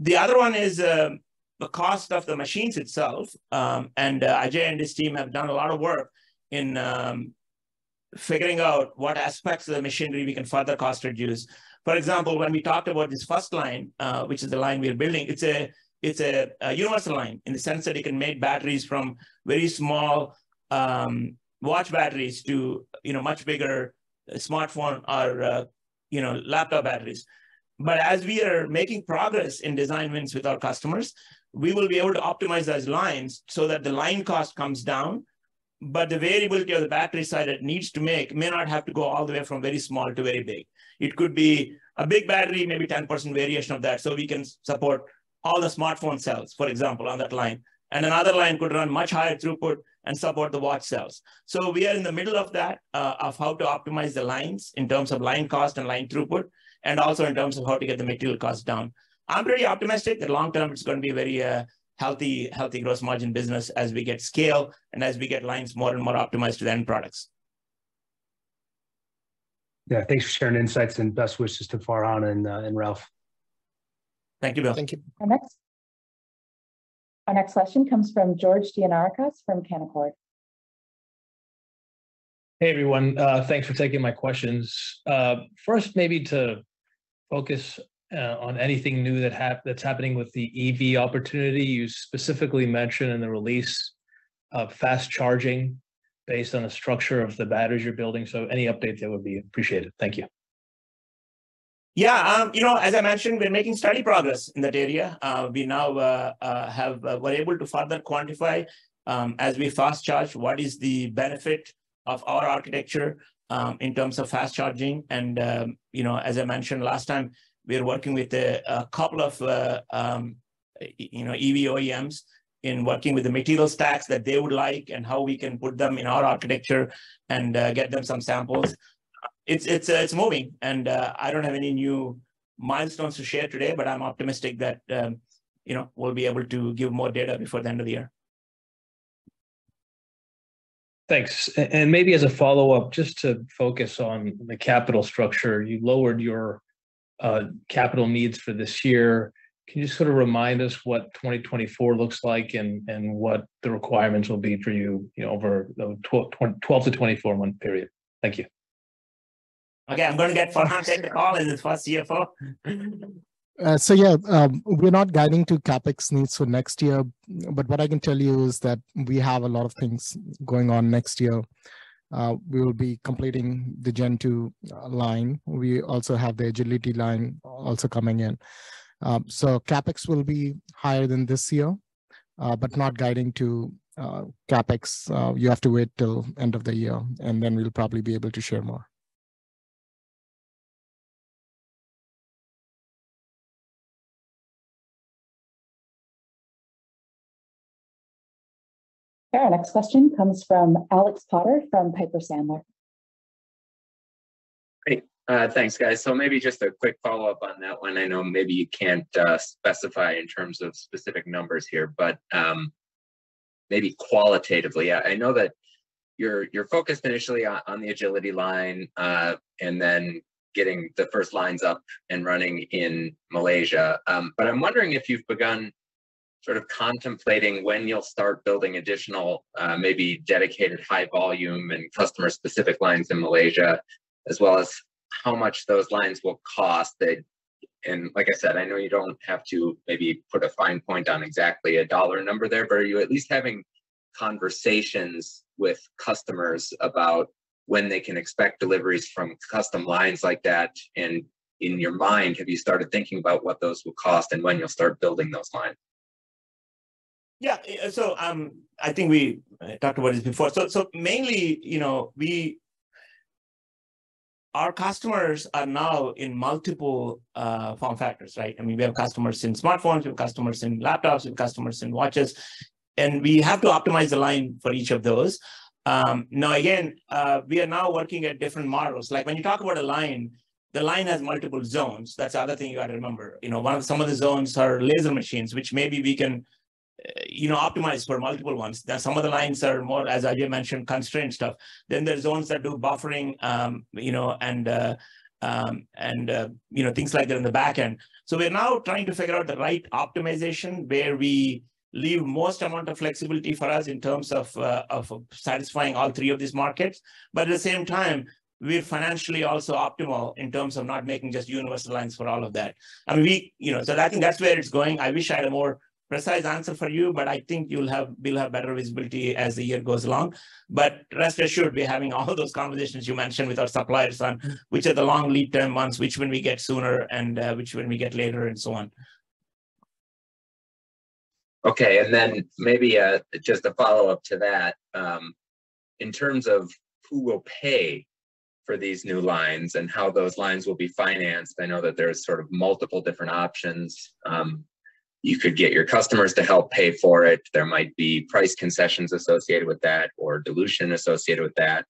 The other one is, the cost of the machines itself. Ajay and his team have done a lot of work in figuring out what aspects of the machinery we can further cost reduce. For example, when we talked about this first line, which is the line we are building, it's a universal line in the sense that it can make batteries from very small watch batteries to much bigger smartphone or laptop batteries. But as we are making progress in design wins with our customers, we will be able to optimize those lines so that the line cost comes down. The variability of the battery side it needs to make may not have to go all the way from very small to very big. It could be a big battery, maybe 10% variation of that. So we can support all the smartphone cells, for example, on that line, and another line could run much higher throughput and support the watch cells. We are in the middle of that, of how to optimize the lines in terms of line cost and line throughput, and also in terms of how to get the material cost down. I'm pretty optimistic that long term it's gonna be very healthy gross margin business as we get scale and as we get lines more and more optimized to the end products. Yeah, thanks for sharing insights, and best wishes to Farhan and Ralph. Thank you, Bill. Thank you. Our next question comes from George Gianarikas from Canaccord. Hey, everyone, thanks for taking my questions. First, maybe to focus on anything new that's happening with the EV opportunity. You specifically mentioned in the release of fast charging based on the structure of the batteries you're building. Any updates there would be appreciated. Thank you. Yeah, you know, as I mentioned, we're making steady progress in that area. We now have, we're able to further quantify, as we fast charge, what is the benefit of our architecture in terms of fast charging. You know, as I mentioned last time, we are working with a couple of, you know, EV OEMs in working with the material stacks that they would like, and how we can put them in our architecture and get them some samples. It's moving and I don't have any new milestones to share today, but I'm optimistic that, you know, we'll be able to give more data before the end of the year. Thanks. Maybe as a follow-up, just to focus on the capital structure. You lowered your capital needs for this year. Can you just sort of remind us what 2024 looks like and what the requirements will be for you know, over the 12-24 month period? Thank you. Okay, I'm gonna get Farhan take the call as the first CFO. Yeah, we're not guiding to CapEx needs for next year, but what I can tell you is that we have a lot of things going on next year. We will be completing the Gen2 line. We also have the Agility Line also coming in. So CapEx will be higher than this year, but not guiding to CapEx. You have to wait till end of the year, we'll probably be able to share more. Our next question comes from Alex Potter from Piper Sandler. Great. Thanks, guys. Maybe just a quick follow-up on that one. I know maybe you can't specify in terms of specific numbers here, but maybe qualitatively. I know that you're focused initially on the Agility Line, and then getting the first lines up and running in Malaysia. I'm wondering if you've begun sort of contemplating when you'll start building additional, maybe dedicated high volume and customer-specific lines in Malaysia, as well as how much those lines will cost? Like I said, I know you don't have to maybe put a fine point on exactly a dollar number there, but are you at least having conversations with customers about when they can expect deliveries from custom lines like that? In your mind, have you started thinking about what those will cost and when you'll start building those lines? Yeah. I think we talked about this before. Mainly, you know, our customers are now in multiple form factors, right? I mean, we have customers in smartphones, we have customers in laptops, we have customers in watches, and we have to optimize the line for each of those. Now, again, we are now working at different models. Like when you talk about a line, the line has multiple zones. That's the other thing you got to remember. You know, some of the zones are laser machines, which maybe we can, you know, optimize for multiple ones. Some of the lines are more, as I just mentioned, constrained stuff. There's zones that do buffering, you know, and, you know, things like that in the back end. We're now trying to figure out the right optimization, where we leave most amount of flexibility for us in terms of satisfying all three of these markets. At the same time, we're financially also optimal in terms of not making just universal lines for all of that. I mean, we, you know, so I think that's where it's going. I wish I had a more precise answer for you, but I think we'll have better visibility as the year goes along. But rest assured, we're having all of those conversations you mentioned with our suppliers on which are the long lead time ones, which will we get sooner, and which will we get later, and so on. Okay then, maybe, just a follow-up to that. In terms of who will pay for these new lines and how those lines will be financed, I know that there's sort of multiple different options. You could get your customers to help pay for it. There might be price concessions associated with that, or dilution associated with that.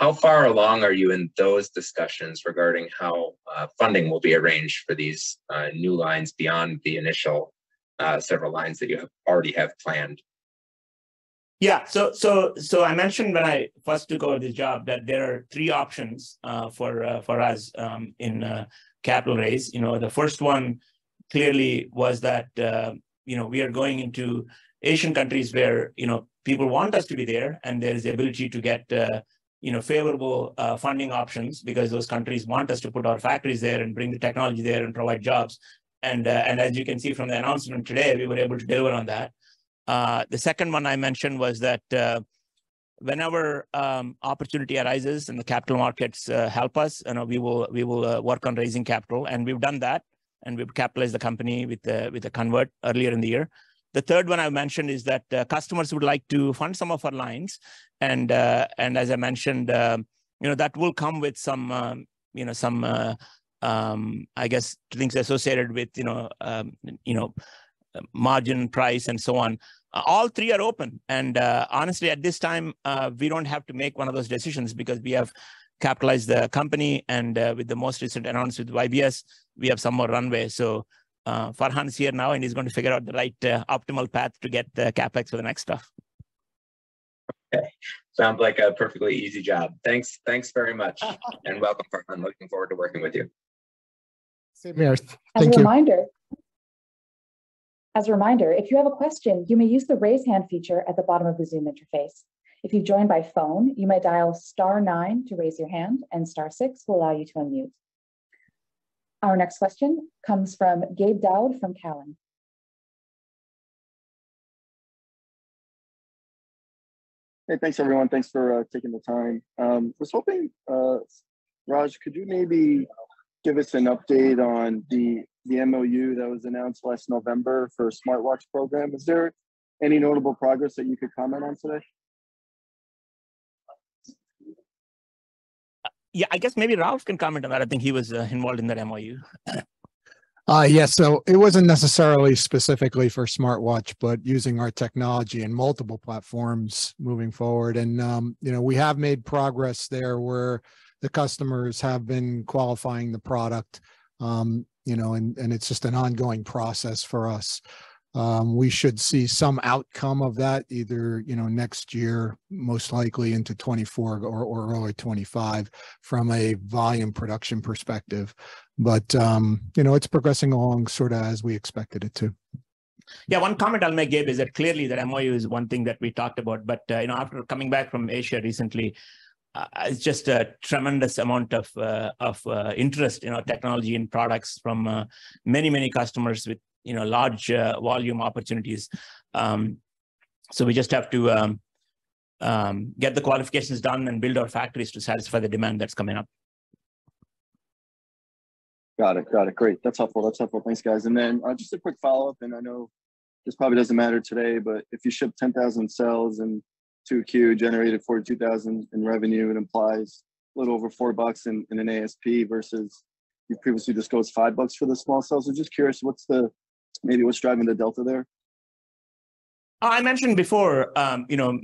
How far along are you in those discussions regarding how funding will be arranged for these new lines beyond the initial several lines that you have already have planned? Yeah I mentioned when I first took over the job, that there are three options for us in capital raise. You know, the first one clearly was that, you know, we are going into Asian countries where, you know, people want us to be there, and there is the ability to get, you know, favorable funding options because those countries want us to put our factories there, and bring the technology there, and provide jobs. As you can see from the announcement today, we were able to deliver on that. The second one I mentioned was that whenever opportunity arises and the capital markets help us, we will work on raising capital, and we've done that, and we've capitalized the company with a convert earlier in the year. The third one I mentioned is that customers would like to fund some of our lines, and as I mentioned, you know, that will come with some, you know, some I guess things associated with, you know, margin price and so on. All three are open, honestly, at this time, we don't have to make one of those decisions because we have capitalized the company, and with the most recent announcement with YBS, we have some more runway. So, Farhan is here now, and he's going to figure out the right optimal path to get the CapEx for the next stuff. Okay. Sounds like a perfectly easy job. Thanks. Thanks very much, and welcome. I'm looking forward to working with you. Same here. Thank you. As a reminder, if you have a question, you may use the Raise Hand feature at the bottom of the Zoom interface. If you joined by phone, you may dial star nine to raise your hand, and star six will allow you to unmute. Our next question comes from Gabe Daoud from Cowen. Hey, thanks, everyone. Thanks for taking the time. I was hoping Raj, could you maybe give us an update on the MOU that was announced last November for smartwatch program? Is there any notable progress that you could comment on today? Yeah, I guess maybe Ralph can comment on that. I think he was involved in that MOU. Yes. It wasn't necessarily specifically for smartwatch, but using our technology in multiple platforms moving forward. You know, we have made progress there, where the customers have been qualifying the product. You know, it's just an ongoing process for us. We should see some outcome of that, either, you know, next year, most likely into 2024 or early 2025, from a volume production perspective. You know, it's progressing along sort of as we expected it to. Yeah, one comment I'll make, Gabe, is that clearly that MOU is one thing that we talked about. You know, after coming back from Asia recently, it's just a tremendous amount of interest in our technology and products from many customers with, you know, large volume opportunities. We just have to get the qualifications done and build our factories to satisfy the demand that's coming up. Got it, got it. Great, that's helpful. That's helpful. Thanks, guys. Then, just a quick follow-up, and I know this probably doesn't matter today, but if you ship 10,000 cells in 2Q, generated $42,000 in revenue, it implies a little over $4 in an ASP versus you previously disclosed $5 for the small cells. Just curious, what's driving the delta there? I mentioned before, you know,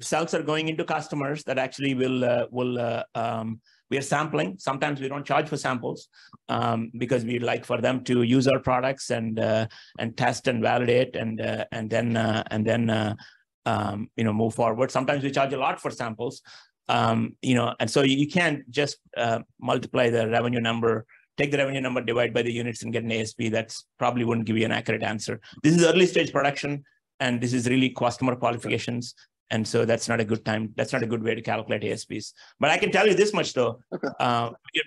cells are going into customers that actually will, we are sampling. Sometimes we don't charge for samples, because we'd like for them to use our products and test and validate and then, you know, move forward. Sometimes we charge a lot for samples, you know, you can't just take the revenue number, divide by the units, and get an ASP. That's probably wouldn't give you an accurate answer. This is early-stage production, and this is really customer qualifications, that's not a good way to calculate ASPs. I can tell you this much, though. Okay.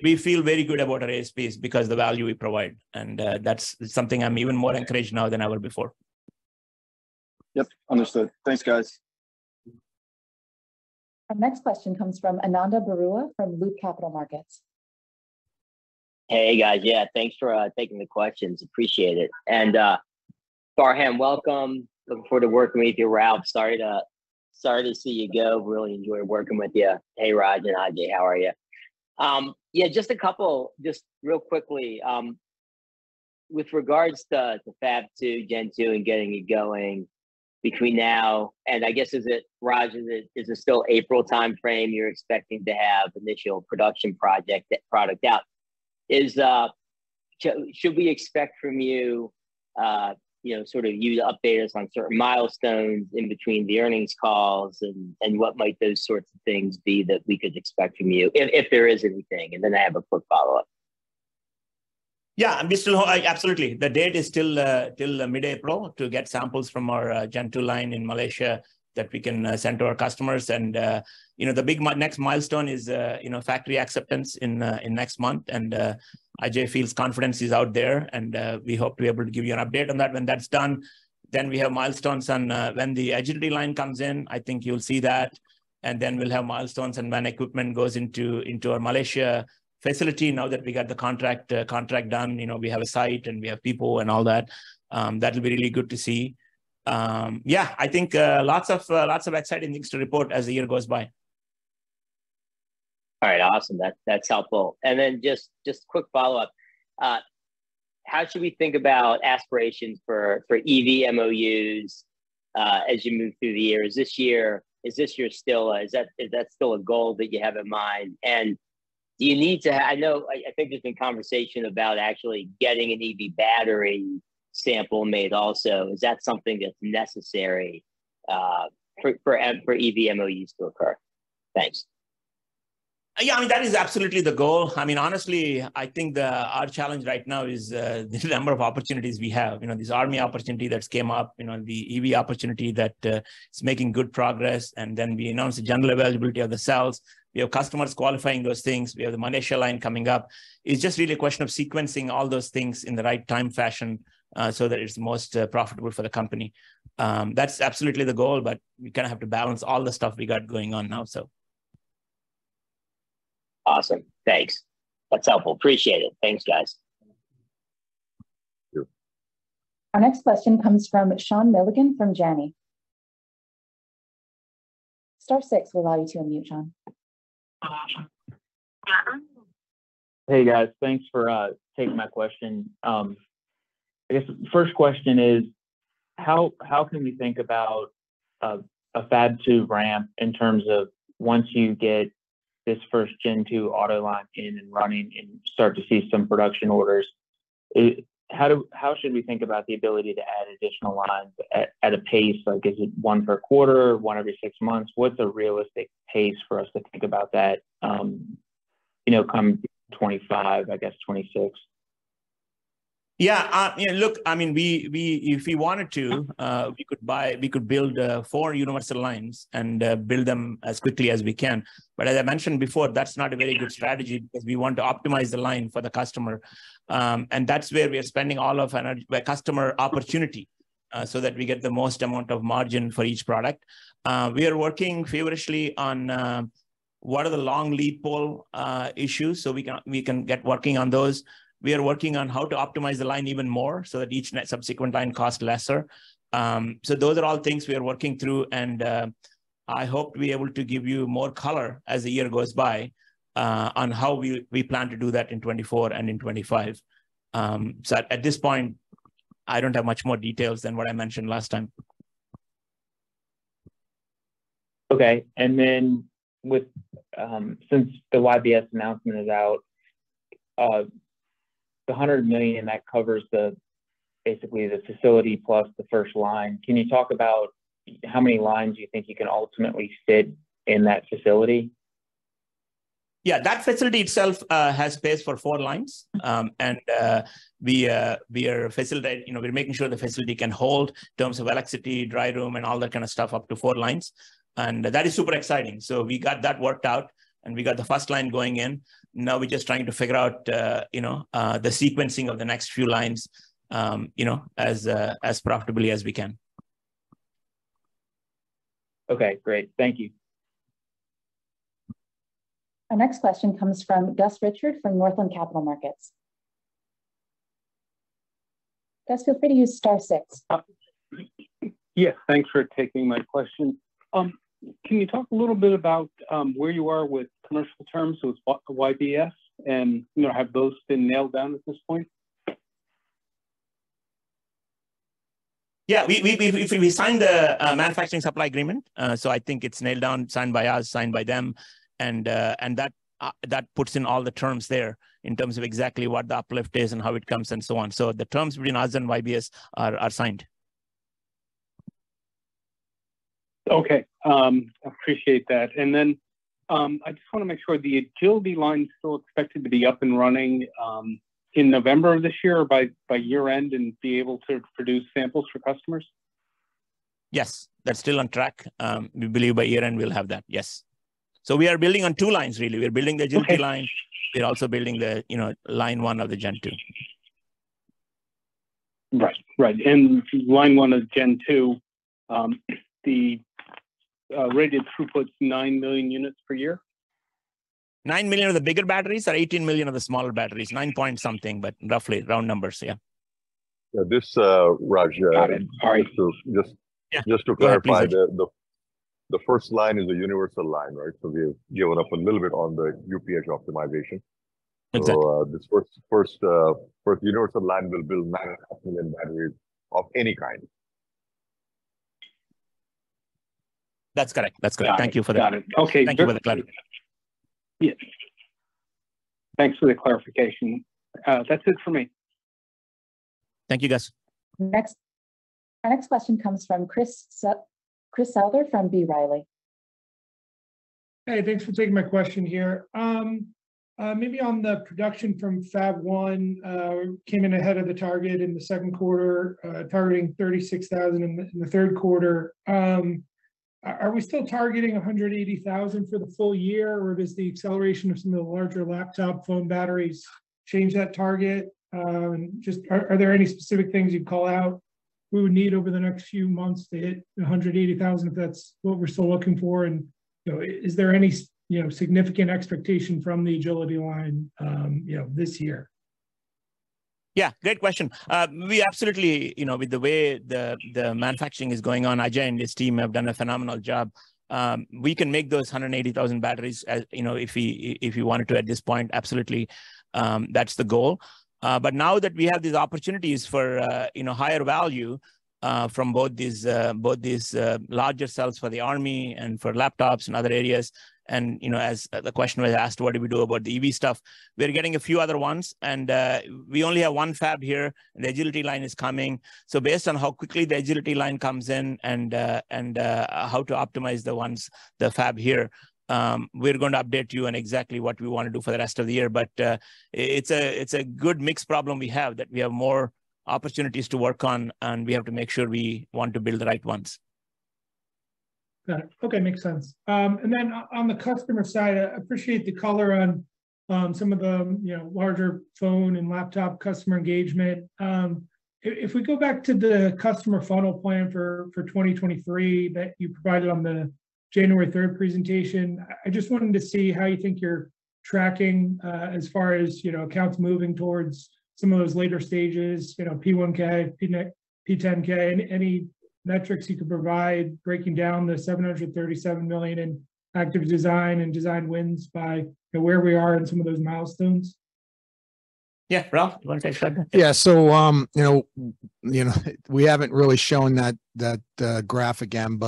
We feel very good about our ASPs because the value we provide, and that's something I'm even more encouraged now than I were before. Yep, understood. Thanks, guys. Our next question comes from Ananda Baruah, from Loop Capital Markets. Hey, guys. Yeah, thanks for taking the questions, appreciate it. Farhan, welcome. Looking forward to working with you. Rob, sorry to see you go, really enjoyed working with you. Hey, Raj and Ajay, how are you? Yeah, just a couple, just real quickly, with regards to the Fab2, Gen2, and getting it going between now, and I guess, is it, Raj, is it still April timeframe you're expecting to have initial production project, that product out? So should we expect from you know, sort of you to update us on certain milestones in between the earnings calls, and what might those sorts of things be that we could expect from you, if there is anything? Then I have a quick follow-up. Absolutely. The date is still till mid-April to get samples from our Gen2 line in Malaysia that we can send to our customers. You know, the big next milestone is, you know, Factory Acceptance in next month. Ajay feels confidence is out there, and we hope to be able to give you an update on that when that's done. Then we have milestones on when the Agility Line comes in, I think you'll see that. Then we'll have milestones on when equipment goes into our Malaysia facility, now that we got the contract done, you know, we have a site, and we have people and all that. That'll be really good to see. Yeah, I think, lots of exciting things to report as the year goes by. All right, awesome. That's helpful. Just quick follow-up. How should we think about aspirations for EV MOUs as you move through the year? Is this year still a goal that you have in mind? Do you need to, I know, I think there's been conversation about actually getting an EV battery sample made also. Is that something that's necessary for EV MOUs to occur? Thanks. I mean, that is absolutely the goal. I mean, honestly, I think the, our challenge right now is, the number of opportunities we have. You know, this Army opportunity that's came up, you know, the EV opportunity that, is making good progress, then we announced the general availability of the cells. We have customers qualifying those things. We have the Malaysia line coming up. It's just really a question of sequencing all those things in the right time fashion, so that it's most, profitable for the company. That's absolutely the goal, we kinda have to balance all the stuff we got going on now. Awesome. Thanks. That's helpful. Appreciate it. Thanks, guys. Our next question comes from Sean Milligan, from Janney. Star six will allow you to unmute, Sean. Hey, guys. Thanks for taking my question. I guess the first question is, How can we think about a Fab2 ramp in terms of once you get this first Gen2 auto line in and running and start to see some production orders, how should we think about the ability to add additional lines at a pace? Like, is it one per quarter, one every six months? What's a realistic pace for us to think about that, you know, come 2025, I guess, 2026? Yeah. You know, look, I mean, we if we wanted to, we could buy, we could build, four universal lines and build them as quickly as we can. As I mentioned before, that's not a very good strategy because we want to optimize the line for the customer. And that's where we are spending all of our by customer opportunity, so that we get the most amount of margin for each product. We are working feverishly on what are the long lead pole issues, so we can get working on those. We are working on how to optimize the line even more so that each net subsequent line costs lesser. Those are all things we are working through, and I hope to be able to give you more color as the year goes by, on how we plan to do that in 2024 and in 2025. At, at this point, I don't have much more details than what I mentioned last time. Okay and then, with since the YBS announcement is out, the $100 million, that covers basically the facility plus the first line. Can you talk about how many lines you think you can ultimately fit in that facility? Yeah, that facility itself has space for four lines. We're making sure the facility can hold in terms of electricity, dry room, and all that kind of stuff, up to four lines, and that is super exciting. We got that worked out, and we got the first line going in. Now we're just trying to figure out, you know, the sequencing of the next few lines, you know, as profitably as we can. Okay, great. Thank you. Our next question comes from Gus Richard from Northland Capital Markets. Gus, feel free to use star six. Yeah, thanks for taking my question. Can you talk a little bit about where you are with commercial terms with YBS, and, you know, have those been nailed down at this point? Yeah, we signed the manufacturing supply agreement. I think it's nailed down, signed by us, signed by them, and that puts in all the terms there in terms of exactly what the uplift is and how it comes and so on. The terms between us and YBS are signed. Okay, appreciate that. Then, I just wanna make sure the Agility Line is still expected to be up and running in November of this year or by year-end and be able to produce samples for customers? Yes, that's still on track. We believe by year-end we'll have that. Yes. We are building on two lines, really. Okay. We are building the Agility Line. We're also building the, you know, line one of the Gen2. Right. Right, line one of Gen2, the rated throughput is 9 million units per year? 9 million are the bigger batteries, or 18 million are the smaller batteries. 9. something, but roughly round numbers, yeah. Yeah, this. Got it. All right. Just, just- Yeah just to clarify the first line is a universal line, right? We've given up a little bit on the UPH optimization. Exactly. this first universal line will build 1 million batteries of any kind. That's correct. That's correct. Got it. Thank you for that. Got it. Okay, thank you for the clarity. Thank you for the clarity. Yeah. Thanks for the clarification. That's it for me. Thank you, Gus. Our next question comes from Chris Souther from B. Riley. Hey, thanks for taking my question here. Maybe on the production from Fab1 came in ahead of the target in the second quarter, targeting 36,000 in the third quarter. Are we still targeting 180,000 for the full year, or does the acceleration of some of the larger laptop phone batteries change that target? Just are there any specific things you'd call out we would need over the next few months to hit 180,000, if that's what we're still looking for? You know, is there any you know, significant expectation from the Agility Line, you know, this year? Yeah, great question. We absolutely, you know, with the way the manufacturing is going on, Ajay and his team have done a phenomenal job. We can make those 180,000 batteries as, you know, if we wanted to, at this point, absolutely, that's the goal. Now that we have these opportunities for, you know, higher value, from both these larger cells for the Army and for laptops and other areas, you know, as the question was asked, what do we do about the EV stuff? We are getting a few other ones, we only have one fab here, the Agility Line is coming. Based on how quickly the Agility Line comes in and how to optimize the ones, the fab here, we're going to update you on exactly what we wanna do for the rest of the year. It's a good mixed problem we have, that we have more opportunities to work on, and we have to make sure we want to build the right ones. Got it. Okay, makes sense. On the customer side, I appreciate the color on, some of the, you know, larger phone and laptop customer engagement. If we go back to the customer funnel plan for 2023, that you provided on the January 3rd presentation, I just wanted to see how you think you're tracking, as far as, you know, accounts moving towards some of those later stages, you know, P1K, P10K. Any metrics you could provide, breaking down the $737 million in active design and design wins by, you know, where we are in some of those milestones? Yeah. Ralph, you wanna take a shot at that? Yeah. You know, we haven't really shown that graph again,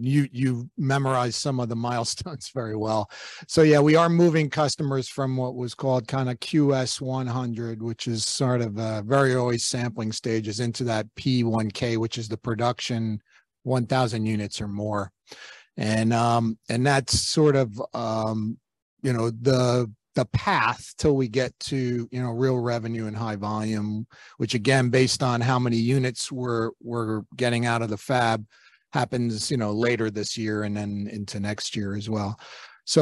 you've memorized some of the milestones very well. We are moving customers from what was called kind of QS-100, which is sort of very early sampling stages into that P1K, which is the production 1,000 units or more. That's sort of, you know, the path till we get to, you know, real revenue and high volume, which again, based on how many units we're getting out of the fab, happens, you know, later this year into next year as well.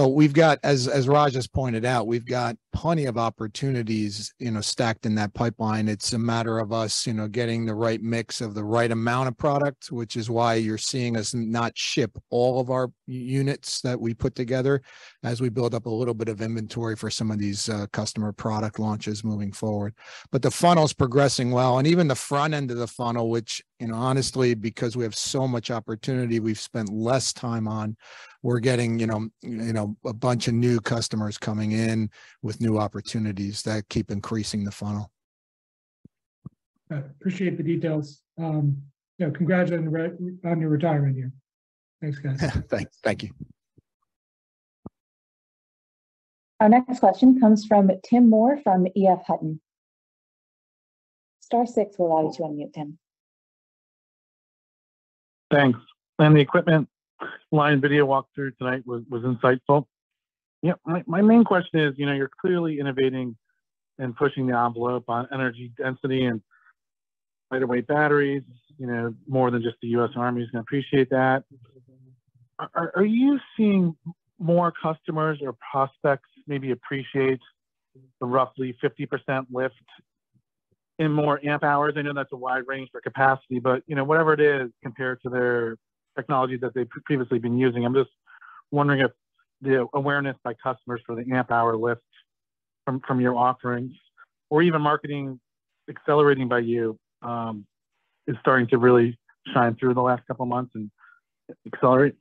We've got as Raj just pointed out, we've got plenty of opportunities, you know, stacked in that pipeline. It's a matter of us, you know, getting the right mix of the right amount of product, which is why you're seeing us not ship all of our units that we put together, as we build up a little bit of inventory for some of these customer product launches moving forward. The funnel is progressing well, and even the front end of the funnel, which, you know, honestly, because we have so much opportunity, we've spent less time on. We're getting, you know, a bunch of new customers coming in with new opportunities that keep increasing the funnel. I appreciate the details. You know, congratulations on your retirement here. Thanks, guys. Thank you. Our next question comes from Tim Moore, from EF Hutton. Star six will allow you to unmute, Tim. Thanks. The equipment line video walk-through tonight was insightful. Yeah, my main question is, you know, you're clearly innovating and pushing the envelope on energy density and lighter weight batteries. You know, more than just the U.S. Army is gonna appreciate that. Are you seeing more customers or prospects maybe appreciate the roughly 50% in more amp hours? I know that's a wide range for capacity, but, you know, whatever it is, compared to their technology that they've previously been using. I'm just wondering if the awareness by customers for the amp hour lift from your offerings or even marketing accelerating by you is starting to really shine through the last couple of months and accelerate.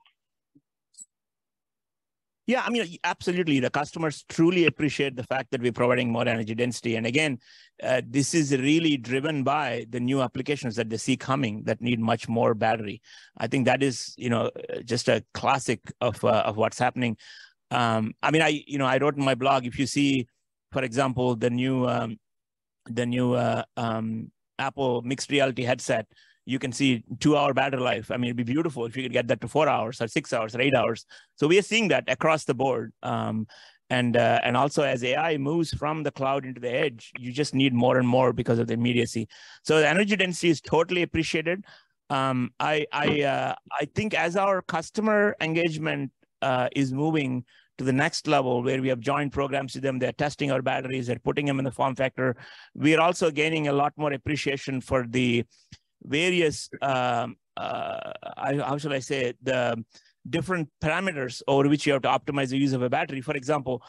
Yeah, I mean, absolutely. The customers truly appreciate the fact that we're providing more energy density. Again, this is really driven by the new applications that they see coming that need much more battery. I think that is, you know, just a classic of what's happening. I mean, I, you know, I wrote in my blog, if you see, for example, the new, the new Apple mixed reality headset, you can see two hour battery life. I mean, it'd be beautiful if you could get that to four hours or six hours or eight hours. We are seeing that across the board. Also as AI moves from the cloud into the edge, you just need more and more because of the immediacy. The energy density is totally appreciated. I think as our customer engagement is moving to the next level, where we have joint programs with them, they're testing our batteries, they're putting them in the form factor. We are also gaining a lot more appreciation for the various, how should I say it? The different parameters over which you have to optimize the use of a battery. For example,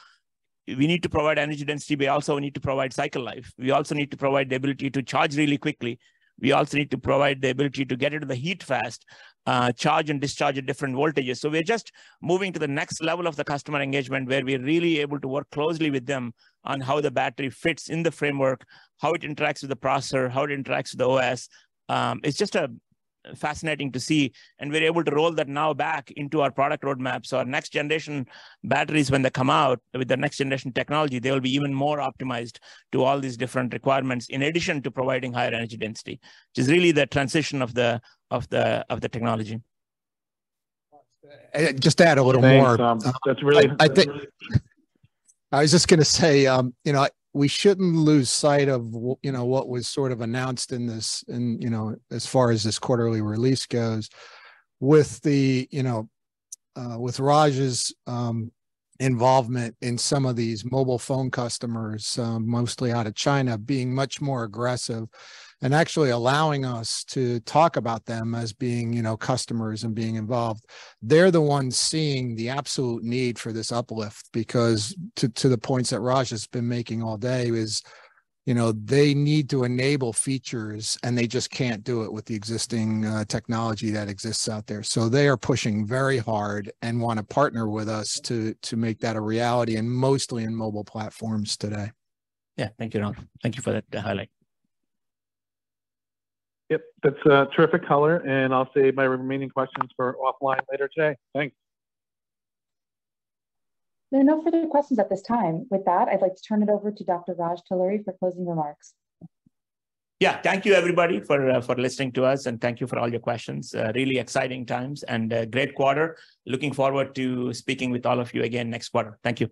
we need to provide energy density, we also need to provide cycle life. We also need to provide the ability to charge really quickly. We also need to provide the ability to get into the heat fast, charge and discharge at different voltages. We're just moving to the next level of the customer engagement, where we are really able to work closely with them on how the battery fits in the framework, how it interacts with the processor, how it interacts with the OS. It's just fascinating to see, and we're able to roll that now back into our product roadmap. Our next generation batteries, when they come out with the next generation technology, they will be even more optimized to all these different requirements, in addition to providing higher energy density, which is really the transition of the, of the, of the technology. Just to add a little more. Thanks, Tom. That's really. I was just gonna say, you know, we shouldn't lose sight of you know, what was sort of announced in this and, you know, as far as this quarterly release goes, with the, you know, with Raj's involvement in some of these mobile phone customers, mostly out of China, being much more aggressive and actually allowing us to talk about them as being, you know, customers and being involved. They're the ones seeing the absolute need for this uplift, because to the points that Raj has been making all day is, you know, they need to enable features, and they just can't do it with the existing technology that exists out there. They are pushing very hard and wanna partner with us to make that a reality, and mostly in mobile platforms today. Yeah. Thank you, Tim. Thank you for that, the highlight. Yep, that's a terrific color, and I'll save my remaining questions for offline later today. Thanks. There are no further questions at this time. With that, I'd like to turn it over to Dr. Raj Talluri for closing remarks. Yeah. Thank you, everybody, for listening to us, and thank you for all your questions. Really exciting times and a great quarter. Looking forward to speaking with all of you again next quarter. Thank you.